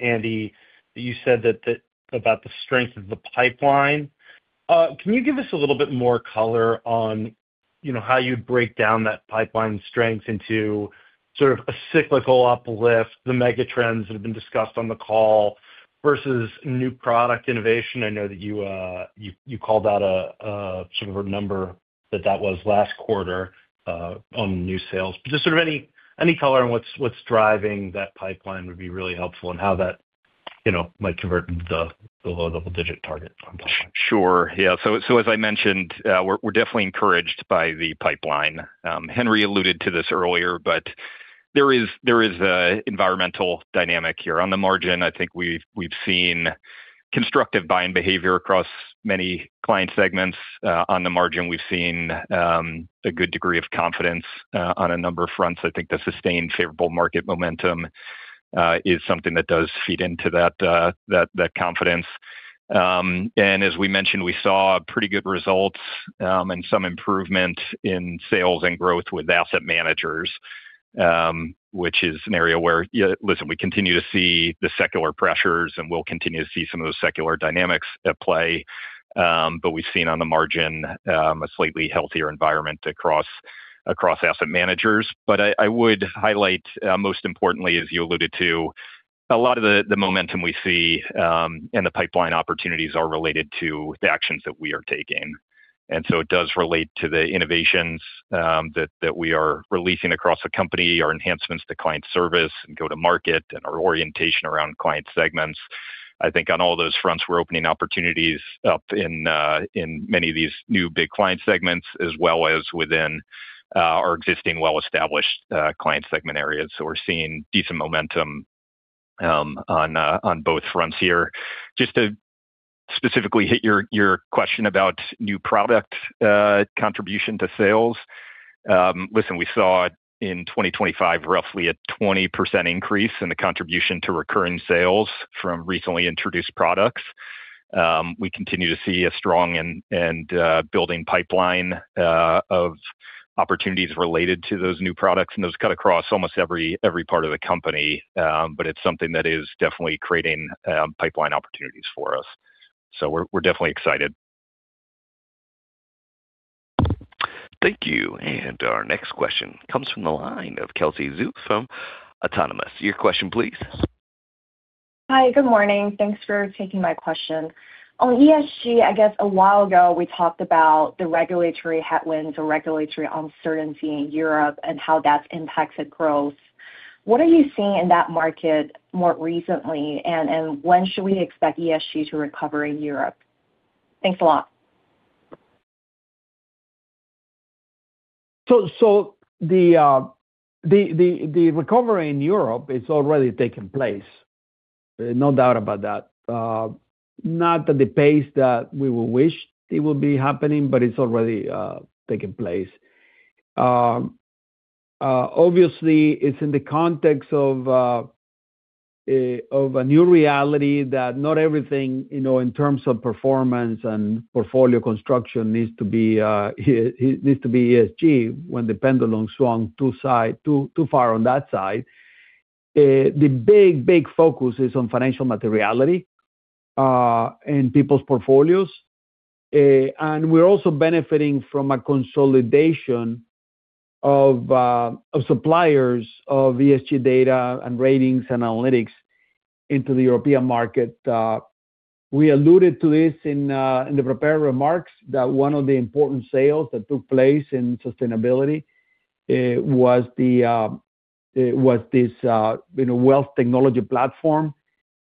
Andy, you said that about the strength of the pipeline. Can you give us a little bit more color on, you know, how you'd break down that pipeline strength into sort of a cyclical uplift, the mega trends that have been discussed on the call, versus new product innovation? I know that you called out a sort of a number that was last quarter on new sales. But just sort of any color on what's driving that pipeline would be really helpful, and how that, you know, might convert the low double-digit target on top line. Sure. Yeah, so as I mentioned, we're definitely encouraged by the pipeline. Henry alluded to this earlier, but there is a environmental dynamic here. On the margin, I think we've seen constructive buying behavior across many client segments. On the margin, we've seen a good degree of confidence on a number of fronts. I think the sustained favorable market momentum is something that does feed into that confidence. And as we mentioned, we saw pretty good results and some improvement in sales and growth with asset managers, which is an area where, yeah, listen, we continue to see the secular pressures, and we'll continue to see some of those secular dynamics at play. But we've seen on the margin a slightly healthier environment across asset managers. I would highlight most importantly, as you alluded to, a lot of the momentum we see and the pipeline opportunities are related to the actions that we are taking. So it does relate to the innovations that we are releasing across the company, our enhancements to client service and go-to-market, and our orientation around client segments. I think on all those fronts, we're opening opportunities up in many of these new big client segments, as well as within our existing well-established client segment areas. So we're seeing decent momentum on both fronts here. Just to specifically hit your question about new product contribution to sales. Listen, we saw in 2025, roughly a 20% increase in the contribution to recurring sales from recently introduced products. We continue to see a strong and building pipeline of opportunities related to those new products, and those cut across almost every part of the company. But it's something that is definitely creating pipeline opportunities for us. So we're definitely excited. Thank you. Our next question comes from the line of Kelsey Zhu from Autonomous. Your question please. Hi, good morning. Thanks for taking my question. On ESG, I guess a while ago, we talked about the regulatory headwinds or regulatory uncertainty in Europe and how that's impacted growth. What are you seeing in that market more recently, and, and when should we expect ESG to recover in Europe? Thanks a lot. The recovery in Europe, it's already taken place, no doubt about that. Not at the pace that we would wish it would be happening, but it's already taken place. Obviously, it's in the context of a new reality that not everything, you know, in terms of performance and portfolio construction needs to be ESG, when the pendulum swung too far on that side. The big focus is on financial materiality in people's portfolios, and we're also benefiting from a consolidation of suppliers of ESG data and ratings and analytics into the European market. We alluded to this in the prepared remarks, that one of the important sales that took place in sustainability was this, you know, wealth technology platform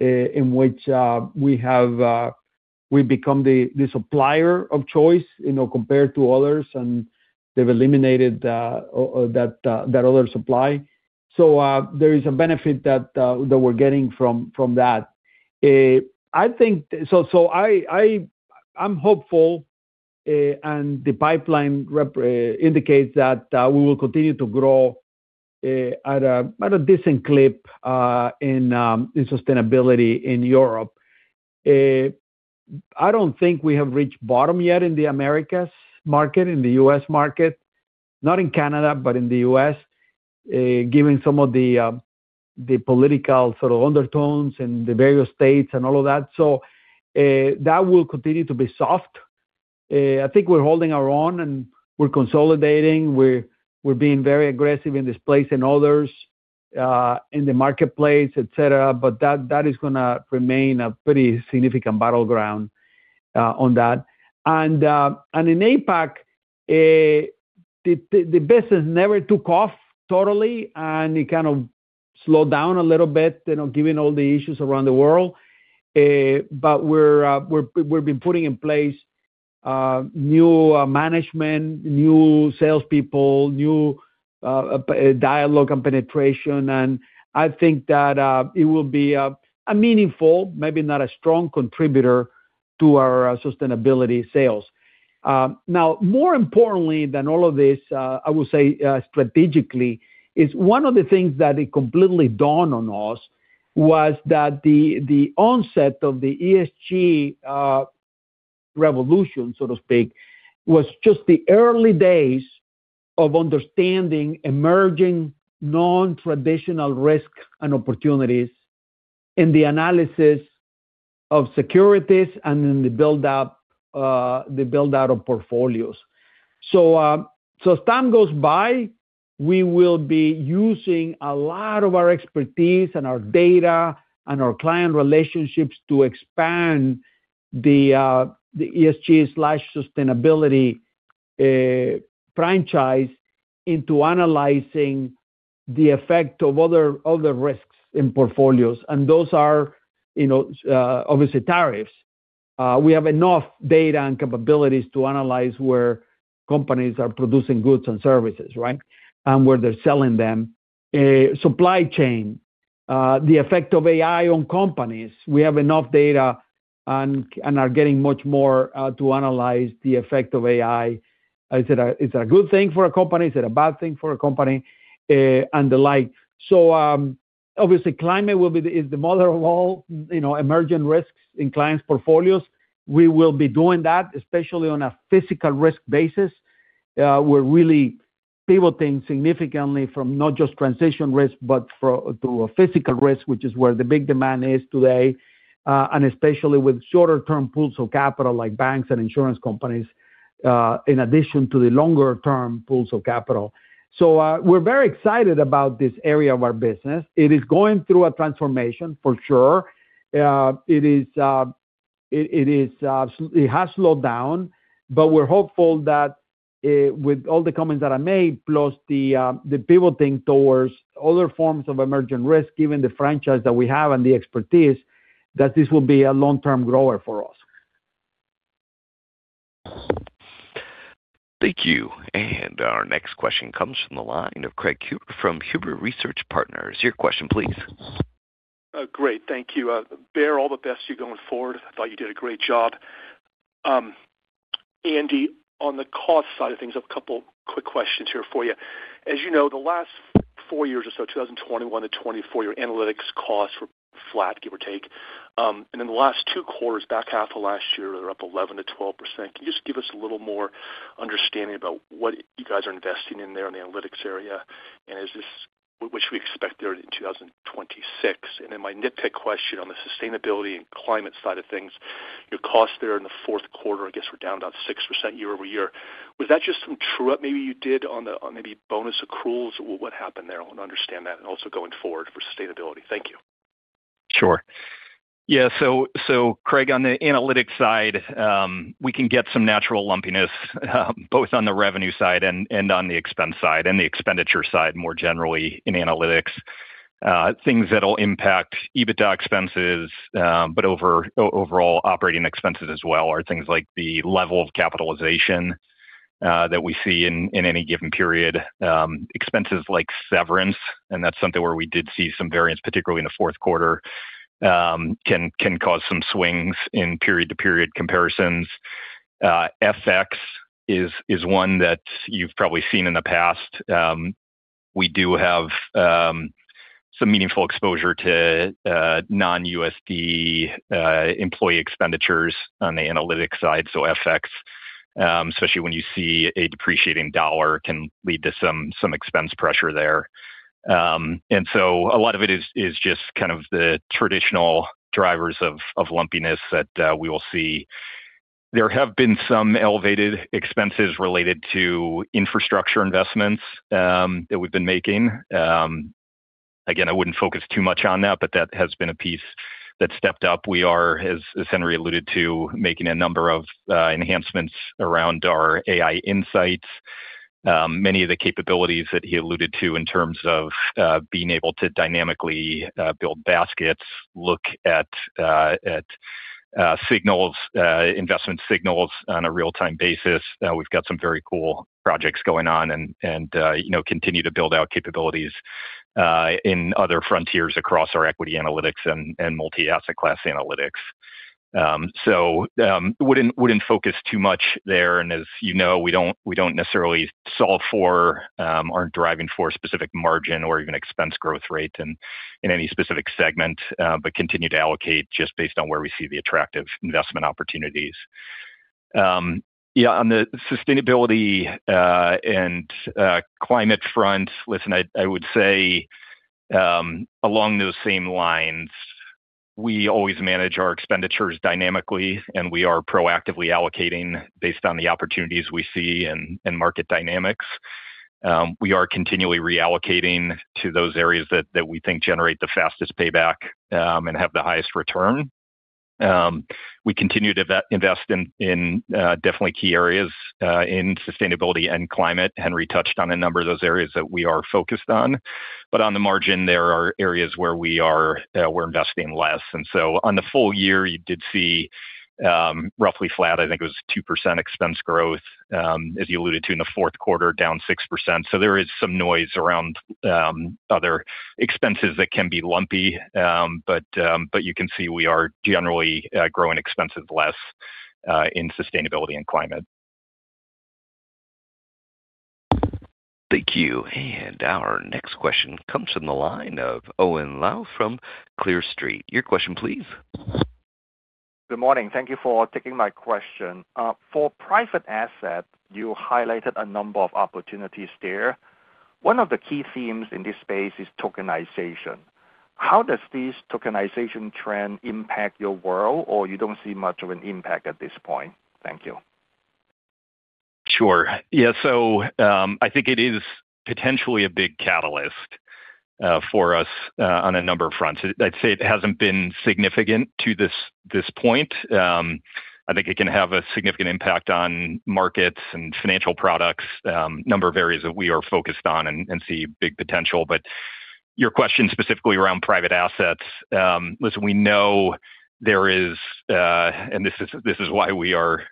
in which we've become the supplier of choice, you know, compared to others, and they've eliminated that other supply. So, there is a benefit that we're getting from that. So, I'm hopeful, and the pipeline indicates that we will continue to grow at a decent clip in sustainability in Europe. I don't think we have reached bottom yet in the Americas market, in the U.S. market, not in Canada, but in the U.S., given some of the political sort of undertones in the various states and all of that. So, that will continue to be soft. I think we're holding our own, and we're consolidating. We're being very aggressive in displacing others in the marketplace, et cetera. But that is gonna remain a pretty significant battleground on that. And in APAC, the business never took off totally, and it kind of slowed down a little bit, you know, given all the issues around the world. But we've been putting in place new management, new salespeople, new dialogue and penetration, and I think that it will be a meaningful, maybe not a strong contributor to our sustainability sales. Now, more importantly than all of this, I will say, strategically, is one of the things that it completely dawned on us was that the onset of the ESG revolution, so to speak, was just the early days of understanding emerging non-traditional risk and opportunities in the analysis of securities and in the build-up, the build-out of portfolios. So, so as time goes by, we will be using a lot of our expertise and our data and our client relationships to expand the ESG/sustainability franchise into analyzing the effect of other risks in portfolios. Those are, you know, obviously tariffs. We have enough data and capabilities to analyze where companies are producing goods and services, right? And where they're selling them. Supply chain, the effect of AI on companies. We have enough data and are getting much more to analyze the effect of AI. Is it a good thing for a company? Is it a bad thing for a company, and the like. So, obviously, climate is the mother of all, you know, emerging risks in clients' portfolios. We will be doing that, especially on a physical risk basis. We're really pivoting significantly from not just transition risk, but to a physical risk, which is where the big demand is today, and especially with shorter-term pools of capital, like banks and insurance companies, in addition to the longer-term pools of capital. So, we're very excited about this area of our business. It is going through a transformation, for sure. It has slowed down, but we're hopeful that, with all the comments that I made, plus the pivoting towards other forms of emerging risk, given the franchise that we have and the expertise, that this will be a long-term grower for us. Thank you. Our next question comes from the line of Craig Huber, from Huber Research Partners. Your question, please. Great. Thank you. Baer, all the best to you going forward. I thought you did a great job. Andy, on the cost side of things, I have a couple quick questions here for you. As you know, the last four years or so, 2021 to 2024, your analytics costs were flat, give or take. And in the last two quarters, back half of last year, they're up 11%-12%. Can you just give us a little more understanding about what you guys are investing in there in the analytics area? And is this- what should we expect there in 2026? And then my nitpick question on the sustainability and climate side of things, your costs there in the fourth quarter, I guess, were down about 6% year-over-year. Was that just some true-up maybe you did on the, on maybe bonus accruals? What happened there? I want to understand that and also going forward for sustainability. Thank you. Sure. Yeah, so Craig, on the analytics side, we can get some natural lumpiness, both on the revenue side and on the expense side, and the expenditure side, more generally in analytics. Things that'll impact EBITDA expenses, but overall operating expenses as well, are things like the level of capitalization, that we see in any given period. Expenses like severance, and that's something where we did see some variance, particularly in the fourth quarter, can cause some swings in period-to-period comparisons. FX is one that you've probably seen in the past. We do have some meaningful exposure to non-USD employee expenditures on the analytics side. So FX, especially when you see a depreciating dollar, can lead to some expense pressure there. And so a lot of it is just kind of the traditional drivers of lumpiness that we will see. There have been some elevated expenses related to infrastructure investments that we've been making. Again, I wouldn't focus too much on that, but that has been a piece that stepped up. We are, as Henry alluded to, making a number of enhancements around our AI insights. Many of the capabilities that he alluded to in terms of being able to dynamically build baskets, look at signals, investment signals on a real-time basis. We've got some very cool projects going on and, you know, continue to build out capabilities in other frontiers across our equity analytics and multi-asset class analytics. So, wouldn't focus too much there. And as you know, we don't, we don't necessarily solve for, aren't driving for specific margin or even expense growth rate in, in any specific segment, but continue to allocate just based on where we see the attractive investment opportunities. Yeah, on the sustainability, and climate front, listen, I, I would say, along those same lines, we always manage our expenditures dynamically, and we are proactively allocating based on the opportunities we see and market dynamics. We are continually reallocating to those areas that we think generate the fastest payback, and have the highest return. We continue to invest in definitely key areas in sustainability and climate. Henry touched on a number of those areas that we are focused on. But on the margin, there are areas where we are, we're investing less. So, on the full year, you did see roughly flat. I think it was 2% expense growth, as you alluded to in the fourth quarter, down 6%. So there is some noise around other expenses that can be lumpy. But you can see we are generally growing expenses less in sustainability and climate. Thank you. Our next question comes from the line of Owen Lau from Clear Street. Your question, please. Good morning. Thank you for taking my question. For private assets, you highlighted a number of opportunities there. One of the key themes in this space is tokenization. How does this tokenization trend impact your world, or you don't see much of an impact at this point? Thank you. Sure. Yeah, so, I think it is potentially a big catalyst for us on a number of fronts. I'd say it hasn't been significant to this point. I think it can have a significant impact on markets and financial products, number of areas that we are focused on and see big potential. But your question specifically around private assets, listen, we know there is and this is why we are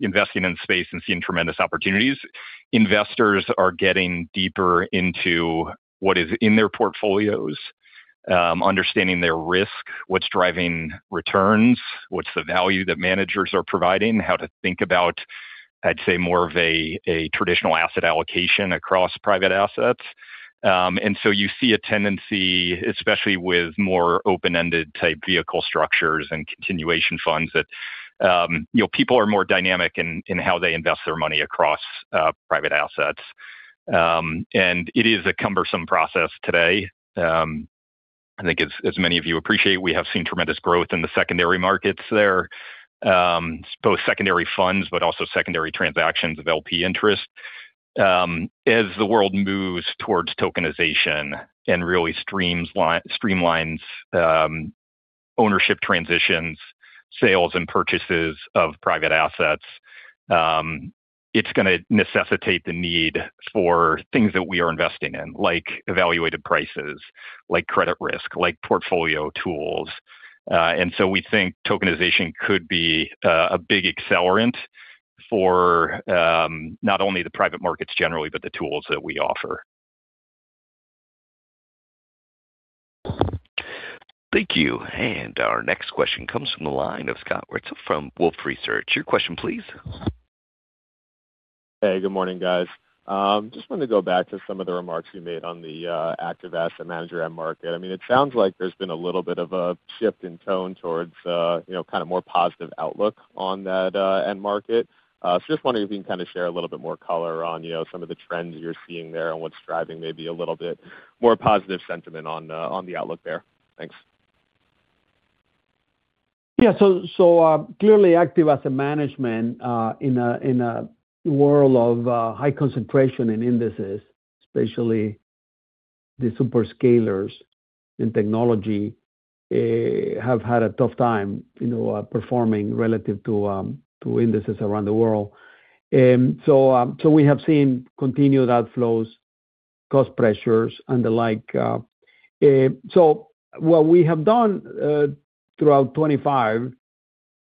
investing in space and seeing tremendous opportunities. Investors are getting deeper into what is in their portfolios, understanding their risk, what's driving returns, what's the value that managers are providing, how to think about, I'd say, more of a traditional asset allocation across private assets. And so you see a tendency, especially with more open-ended type vehicle structures and continuation funds, that, you know, people are more dynamic in how they invest their money across private assets. I think as many of you appreciate, we have seen tremendous growth in the secondary markets there, both secondary funds, but also secondary transactions of LP interest. As the world moves towards tokenization and really streamlines ownership transitions, sales, and purchases of private assets, it's gonna necessitate the need for things that we are investing in, like evaluated prices, like credit risk, like portfolio tools. And so we think tokenization could be a big accelerant for not only the private markets generally, but the tools that we offer. Thank you. Our next question comes from the line of Scott Wurtzel from Wolfe Research. Your question, please. Hey, good morning, guys. Just wanted to go back to some of the remarks you made on the active asset manager end market. I mean, it sounds like there's been a little bit of a shift in tone towards, you know, kind of more positive outlook on that end market. So just wondering if you can kind of share a little bit more color on, you know, some of the trends you're seeing there and what's driving maybe a little bit more positive sentiment on the outlook there. Thanks. Yeah. So, clearly, active asset management in a world of high concentration in indices, especially the super scalers in technology, have had a tough time, you know, performing relative to indices around the world. So, we have seen continued outflows, cost pressures, and the like. So what we have done throughout 2025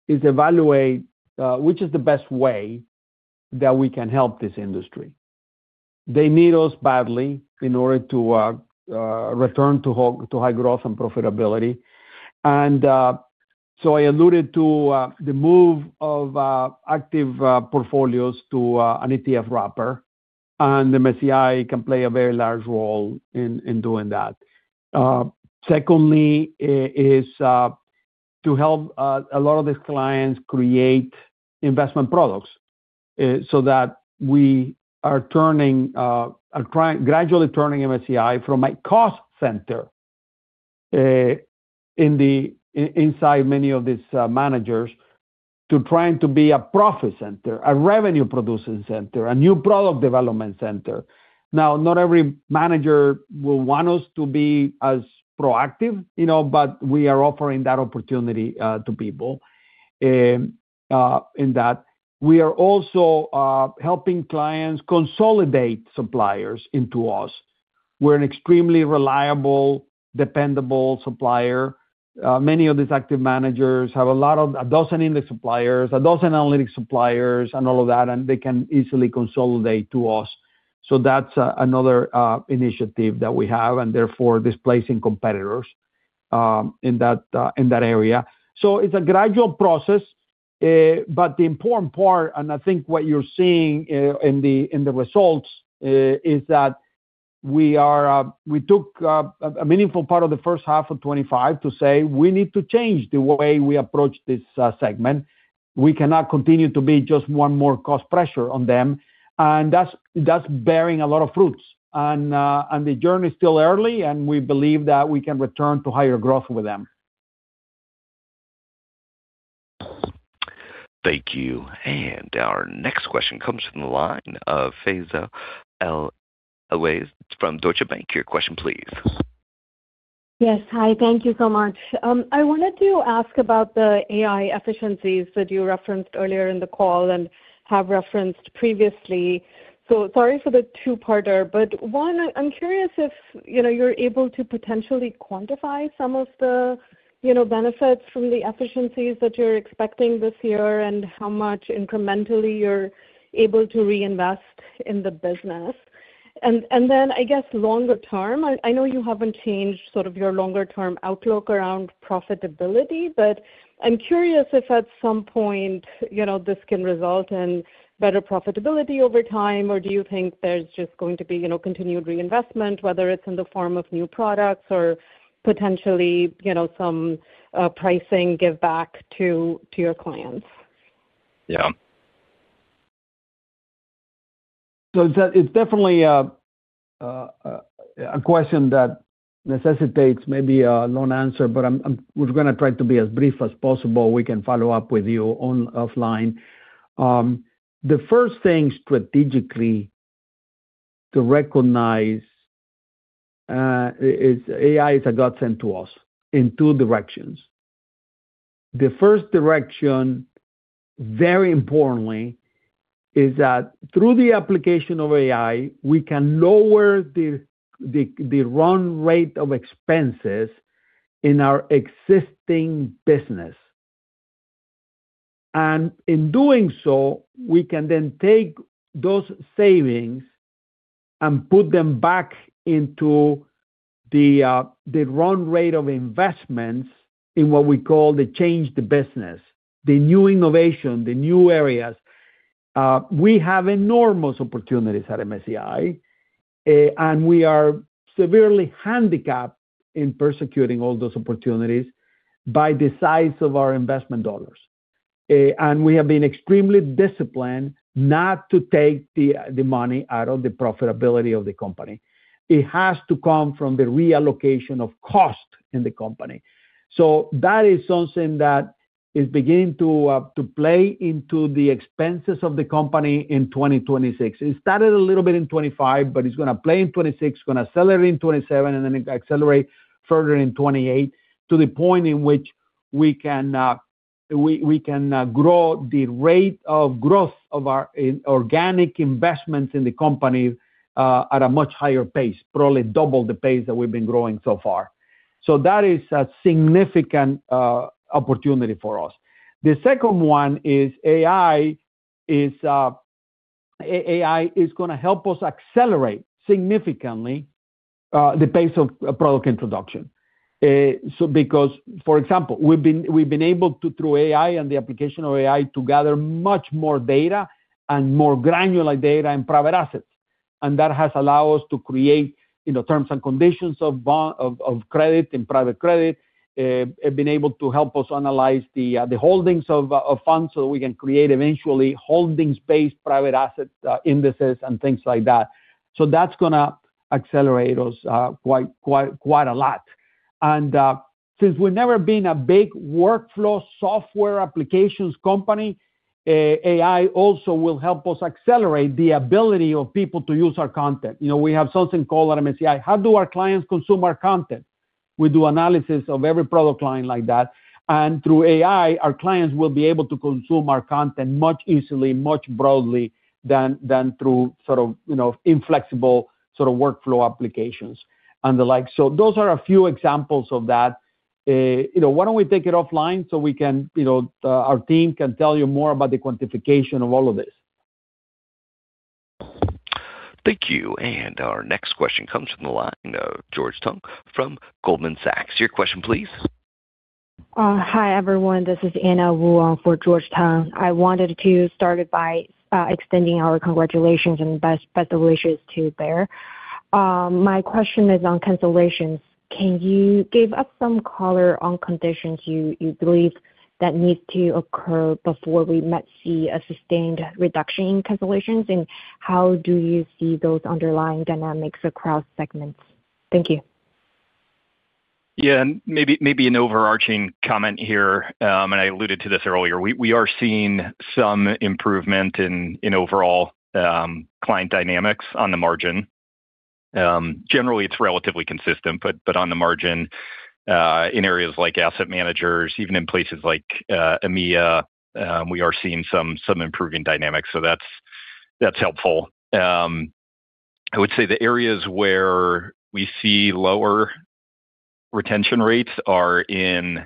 is evaluate which is the best way that we can help this industry. They need us badly in order to return to high growth and profitability. And, so I alluded to the move of active portfolios to an ETF wrapper, and MSCI can play a very large role in doing that. Secondly, it is to help a lot of these clients create investment products, so that we are gradually turning MSCI from a cost center inside many of these managers to trying to be a profit center, a revenue-producing center, a new product development center. Now, not every manager will want us to be as proactive, you know, but we are offering that opportunity to people in that. We are also helping clients consolidate suppliers into us. We're an extremely reliable, dependable supplier. Many of these active managers have a dozen index suppliers, a dozen analytics suppliers, and all of that, and they can easily consolidate to us. So that's another initiative that we have, and therefore displacing competitors in that area. So it's a gradual process, but the important part, and I think what you're seeing, in the results, is that we took a meaningful part of the first half of 2025 to say, "We need to change the way we approach this segment. We cannot continue to be just one more cost pressure on them." And that's bearing a lot of fruits. And the journey is still early, and we believe that we can return to higher growth with them. Thank you. Our next question comes from the line of Faiza Alwy from Deutsche Bank. Your question, please. Yes, hi. Thank you so much. I wanted to ask about the AI efficiencies that you referenced earlier in the call and have referenced previously. So sorry for the two-parter, but one, I'm curious if, you know, you're able to potentially quantify some of the, you know, benefits from the efficiencies that you're expecting this year and how much incrementally you're able to reinvest in the business. And then, I guess, longer term, I know you haven't changed sort of your longer-term outlook around profitability, but I'm curious if at some point, you know, this can result in better profitability over time, or do you think there's just going to be, you know, continued reinvestment, whether it's in the form of new products or potentially, you know, some pricing giveback to your clients? Yeah. So it's definitely a question that necessitates maybe a long answer, but we're gonna try to be as brief as possible. We can follow up with you offline. The first thing strategically to recognize is AI is a godsend to us in two directions. The first direction, very importantly, is that through the application of AI, we can lower the run rate of expenses in our existing business. And in doing so, we can then take those savings and put them back into the run rate of investments in what we call the change the business, the new innovation, the new areas. We have enormous opportunities at MSCI, and we are severely handicapped in pursuing all those opportunities by the size of our investment dollars. And we have been extremely disciplined not to take the, the money out of the profitability of the company. It has to come from the reallocation of cost in the company. So that is something that is beginning to, to play into the expenses of the company in 2026. It started a little bit in 2025, but it's gonna play in 2026, gonna accelerate in 2027, and then it accelerate further in 2028, to the point in which we can, we, we can, grow the rate of growth of our inorganic investments in the company, at a much higher pace, probably double the pace that we've been growing so far. So that is a significant opportunity for us. The second one is AI is gonna help us accelerate significantly, the pace of, product introduction. So because, for example, we've been able to, through AI and the application of AI, to gather much more data and more granular data and private assets, and that has allowed us to create, you know, terms and conditions of credit and private credit, and been able to help us analyze the holdings of funds so we can create eventually holdings-based private assets, indices and things like that. So that's gonna accelerate us quite a lot. And since we've never been a big workflow software applications company, AI also will help us accelerate the ability of people to use our content. You know, we have something called at MSCI, how do our clients consume our content? We do analysis of every product line like that, and through AI, our clients will be able to consume our content much easily, much broadly, than, than through sort of, you know, inflexible sort of workflow applications and the like. So those are a few examples of that. You know, why don't we take it offline so we can, you know, our team can tell you more about the quantification of all of this? Thank you. Our next question comes from the line of George Tong from Goldman Sachs. Your question, please. Hi, everyone. This is Anja Huang for George Tong. I wanted to start it by extending our congratulations and best, best wishes to Baer. My question is on cancellations. Can you give us some color on conditions you believe that need to occur before we might see a sustained reduction in cancellations? And how do you see those underlying dynamics across segments? Thank you. Yeah, and maybe an overarching comment here, and I alluded to this earlier. We are seeing some improvement in overall client dynamics on the margin. Generally, it's relatively consistent, but on the margin, in areas like asset managers, even in places like EMEA, we are seeing some improving dynamics. So that's helpful. I would say the areas where we see lower retention rates are in,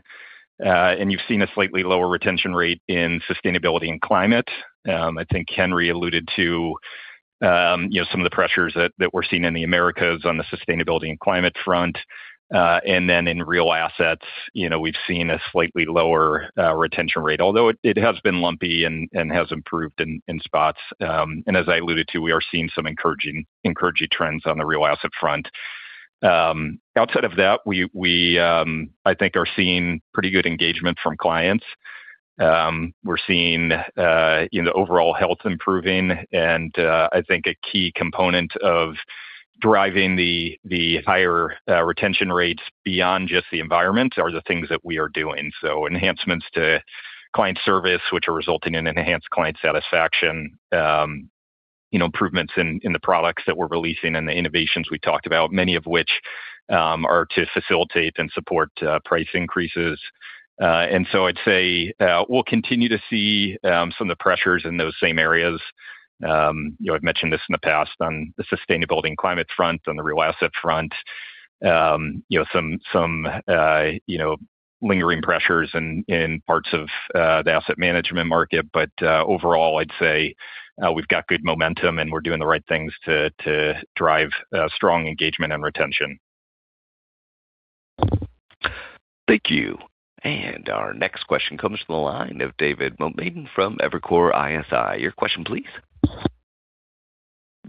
and you've seen a slightly lower retention rate in sustainability and climate. I think Henry alluded to, you know, some of the pressures that we're seeing in the Americas on the sustainability and climate front. And then in real assets, you know, we've seen a slightly lower retention rate, although it has been lumpy and has improved in spots. And as I alluded to, we are seeing some encouraging trends on the real asset front. Outside of that, I think we are seeing pretty good engagement from clients. We're seeing, you know, the overall health improving, and I think a key component of driving the higher retention rates beyond just the environment are the things that we are doing. So enhancements to client service, which are resulting in enhanced client satisfaction, you know, improvements in the products that we're releasing and the innovations we talked about, many of which are to facilitate and support price increases. And so I'd say, we'll continue to see some of the pressures in those same areas. You know, I've mentioned this in the past, on the sustainability and climate front, on the real asset front, you know, some lingering pressures in parts of the asset management market. But overall, I'd say we've got good momentum, and we're doing the right things to drive strong engagement and retention. Thank you. Our next question comes from the line of David Motemaden from Evercore ISI. Your question, please.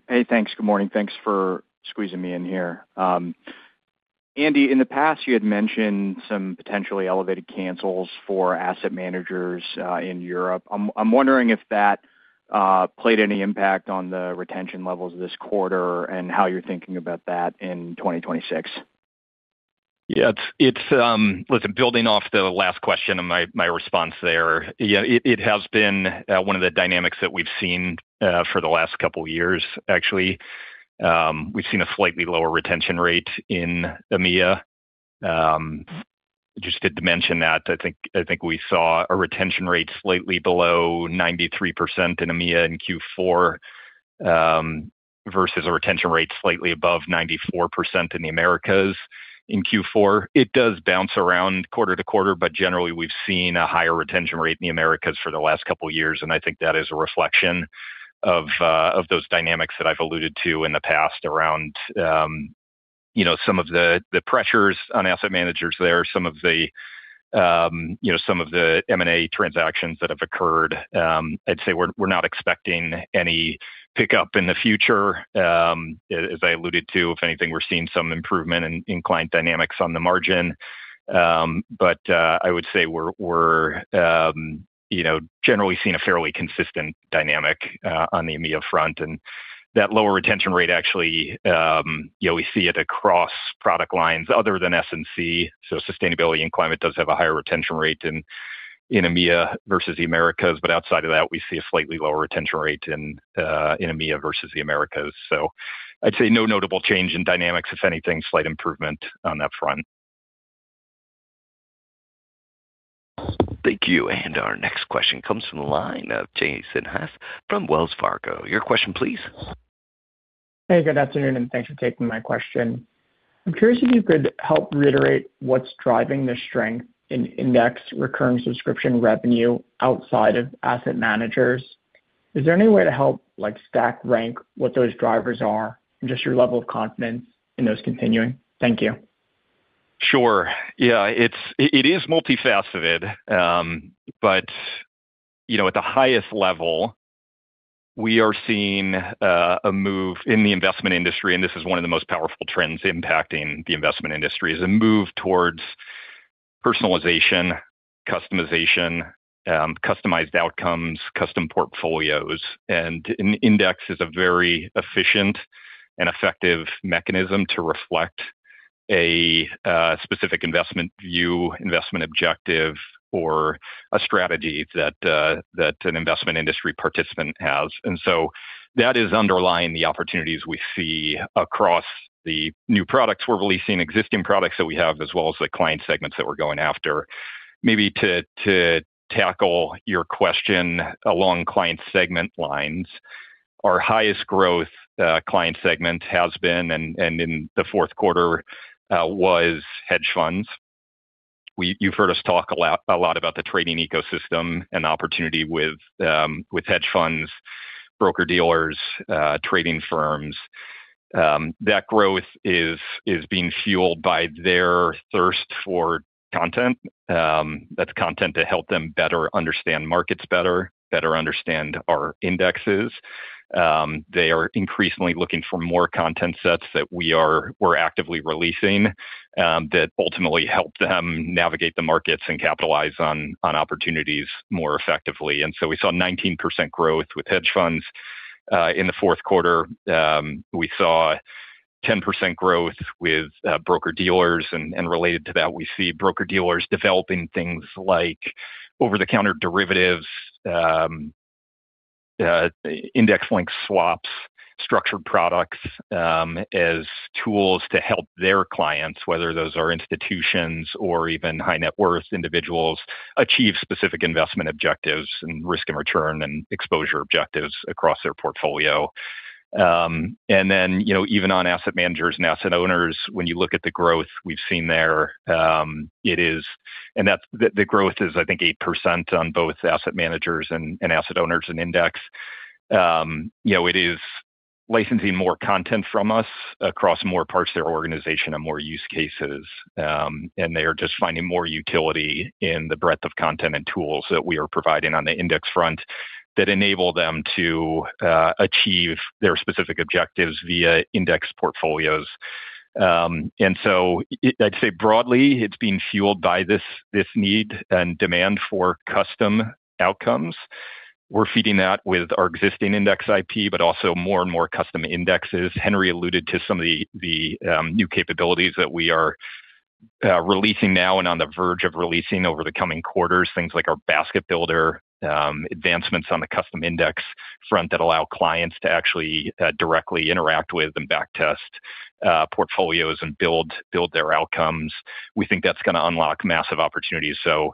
Hey, thanks. Good morning. Thanks for squeezing me in here. Andy, in the past, you had mentioned some potentially elevated cancels for asset managers in Europe. I'm wondering if that played any impact on the retention levels this quarter and how you're thinking about that in 2026. Yeah, Listen, building off the last question and my response there, yeah, it has been one of the dynamics that we've seen for the last couple of years, actually. We've seen a slightly lower retention rate in EMEA. Just did mention that. I think, I think we saw a retention rate slightly below 93% in EMEA in Q4, versus a retention rate slightly above 94% in the Americas in Q4. It does bounce around quarter to quarter, but generally, we've seen a higher retention rate in the Americas for the last couple of years, and I think that is a reflection of those dynamics that I've alluded to in the past around, you know, some of the pressures on asset managers there, some of the, you know, some of the M&A transactions that have occurred. I'd say we're not expecting any pickup in the future. As I alluded to, if anything, we're seeing some improvement in client dynamics on the margin. But I would say we're, you know, generally seeing a fairly consistent dynamic on the EMEA front. And that lower retention rate, actually, you know, we see it across product lines other than S&C. So sustainability and climate does have a higher retention rate in EMEA versus the Americas, but outside of that, we see a slightly lower retention rate in EMEA versus the Americas. So I'd say no notable change in dynamics. If anything, slight improvement on that front. Thank you. Our next question comes from the line of Jason Haas from Wells Fargo. Your question please. Hey, good afternoon, and thanks for taking my question. I'm curious if you could help reiterate what's driving the strength in index recurring subscription revenue outside of asset managers. Is there any way to help, like, stack rank what those drivers are and just your level of confidence in those continuing? Thank you. Sure. Yeah, it is multifaceted, but, you know, at the highest level, we are seeing a move in the investment industry, and this is one of the most powerful trends impacting the investment industry, is a move towards personalization, customization, customized outcomes, custom portfolios. And an index is a very efficient and effective mechanism to reflect a specific investment view, investment objective, or a strategy that that an investment industry participant has. And so that is underlying the opportunities we see across the new products we're releasing, existing products that we have, as well as the client segments that we're going after. Maybe to tackle your question along client segment lines, our highest growth client segment has been and in the fourth quarter was hedge funds. You've heard us talk a lot about the trading ecosystem and opportunity with hedge funds, broker-dealers, trading firms. That growth is being fueled by their thirst for content, that's content to help them better understand markets better, better understand our indexes. They are increasingly looking for more content sets that we're actively releasing, that ultimately help them navigate the markets and capitalize on opportunities more effectively. And so we saw 19% growth with hedge funds. In the fourth quarter, we saw 10% growth with broker-dealers, and related to that, we see broker-dealers developing things like over-the-counter derivatives, index-linked swaps, structured products, as tools to help their clients, whether those are institutions or even high-net-worth individuals, achieve specific investment objectives and risk and return and exposure objectives across their portfolio. And then, you know, even on asset managers and asset owners, when you look at the growth we've seen there, it is the growth is, I think, 8% on both asset managers and asset owners and index. You know, it is licensing more content from us across more parts of their organization and more use cases. And they are just finding more utility in the breadth of content and tools that we are providing on the index front, that enable them to achieve their specific objectives via index portfolios. I'd say broadly, it's being fueled by this need and demand for custom outcomes. We're feeding that with our existing index IP, but also more and more custom indexes. Henry alluded to some of the new capabilities that we are releasing now and on the verge of releasing over the coming quarters. Things like our Basket Builder, advancements on the custom index front that allow clients to actually directly interact with and back-test portfolios and build their outcomes. We think that's gonna unlock massive opportunities. So,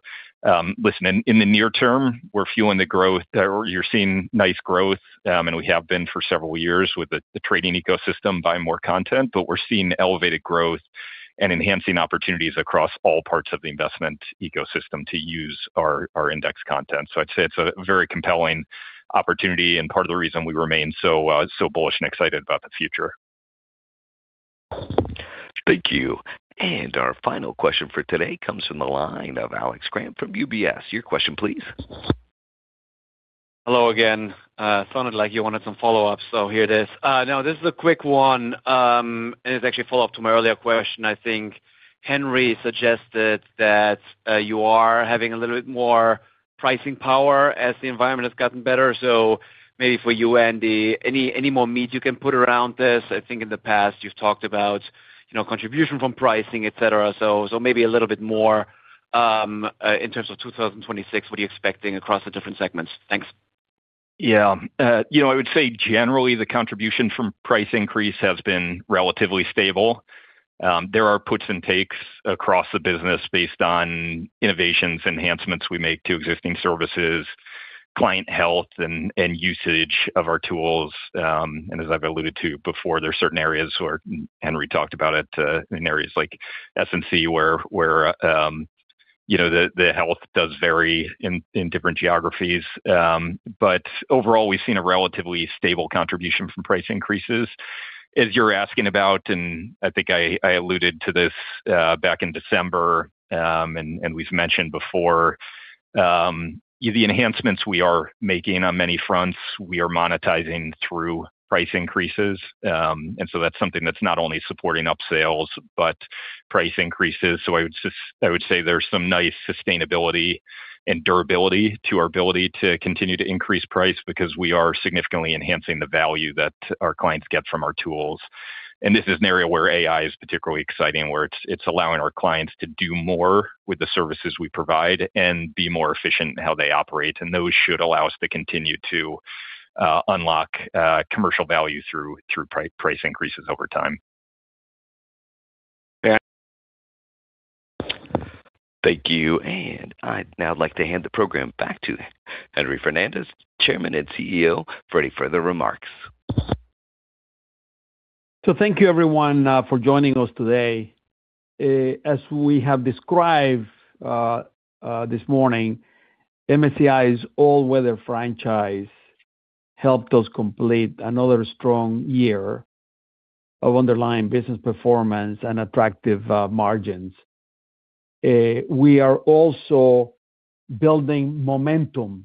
listen, in the near term, we're fueling the growth. You're seeing nice growth, and we have been for several years with the trading ecosystem by more content, but we're seeing elevated growth and enhancing opportunities across all parts of the investment ecosystem to use our index content. So I'd say it's a very compelling opportunity and part of the reason we remain so so bullish and excited about the future. Thank you. Our final question for today comes from the line of Alex Kramm from UBS. Your question, please. Hello again. Sounded like you wanted some follow-up, so here it is. Now, this is a quick one, and it's actually a follow-up to my earlier question. I think Henry suggested that you are having a little bit more pricing power as the environment has gotten better. So maybe for you, Andy, any, any more meat you can put around this? I think in the past you've talked about, you know, contribution from pricing, et cetera. So, so maybe a little bit more in terms of 2026, what are you expecting across the different segments? Thanks. Yeah. You know, I would say generally, the contribution from price increase has been relatively stable. There are puts and takes across the business based on innovations, enhancements we make to existing services, client health, and usage of our tools. And as I've alluded to before, there are certain areas where Henry talked about it, in areas like S&C, where you know, the health does vary in different geographies. But overall, we've seen a relatively stable contribution from price increases. As you're asking about, and I think I alluded to this, back in December, and we've mentioned before, the enhancements we are making on many fronts, we are monetizing through price increases. And so that's something that's not only supporting upsells, but price increases. So I would say there's some nice sustainability and durability to our ability to continue to increase price, because we are significantly enhancing the value that our clients get from our tools. This is an area where AI is particularly exciting, where it's allowing our clients to do more with the services we provide and be more efficient in how they operate, and those should allow us to continue to unlock commercial value through price increases over time. Thank you, and I'd now like to hand the program back to Henry Fernandez, Chairman and CEO, for any further remarks. Thank you everyone for joining us today. As we have described this morning, MSCI's All-Weather Franchise helped us complete another strong year of underlying business performance and attractive margins. We are also building momentum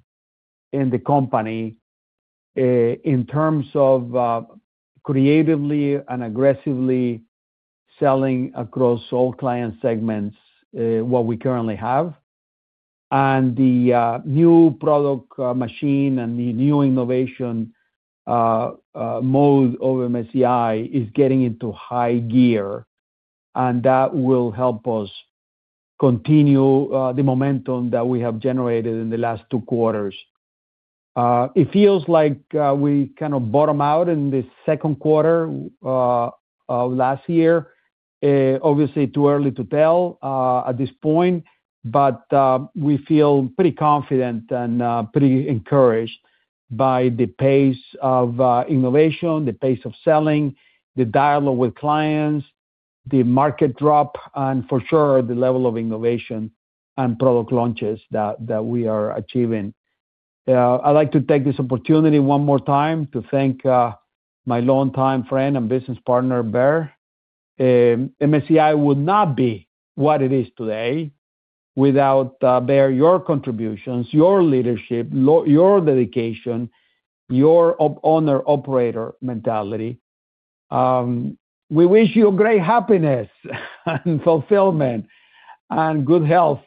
in the company in terms of creatively and aggressively selling across all client segments what we currently have. The new product machine and the new innovation mode of MSCI is getting into high gear, and that will help us continue the momentum that we have generated in the last two quarters. It feels like we kind of bottom out in the second quarter of last year. Obviously, too early to tell at this point, but we feel pretty confident and pretty encouraged by the pace of innovation, the pace of selling, the dialogue with clients, the market drop, and for sure, the level of innovation and product launches that we are achieving. I'd like to take this opportunity one more time to thank my longtime friend and business partner, Baer. MSCI would not be what it is today without Baer, your contributions, your leadership, your dedication, your owner-operator mentality. We wish you great happiness and fulfillment and good health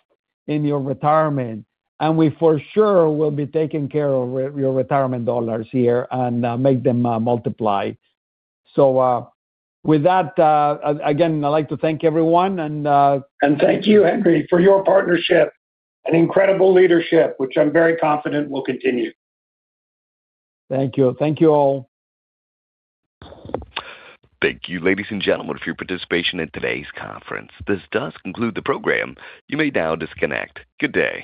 in your retirement, and we for sure will be taking care of your retirement dollars here and make them multiply. So, with that, again, I'd like to thank everyone, and Thank you, Henry, for your partnership and incredible leadership, which I'm very confident will continue. Thank you. Thank you, all. Thank you, ladies and gentlemen, for your participation in today's conference. This does conclude the program. You may now disconnect. Good day.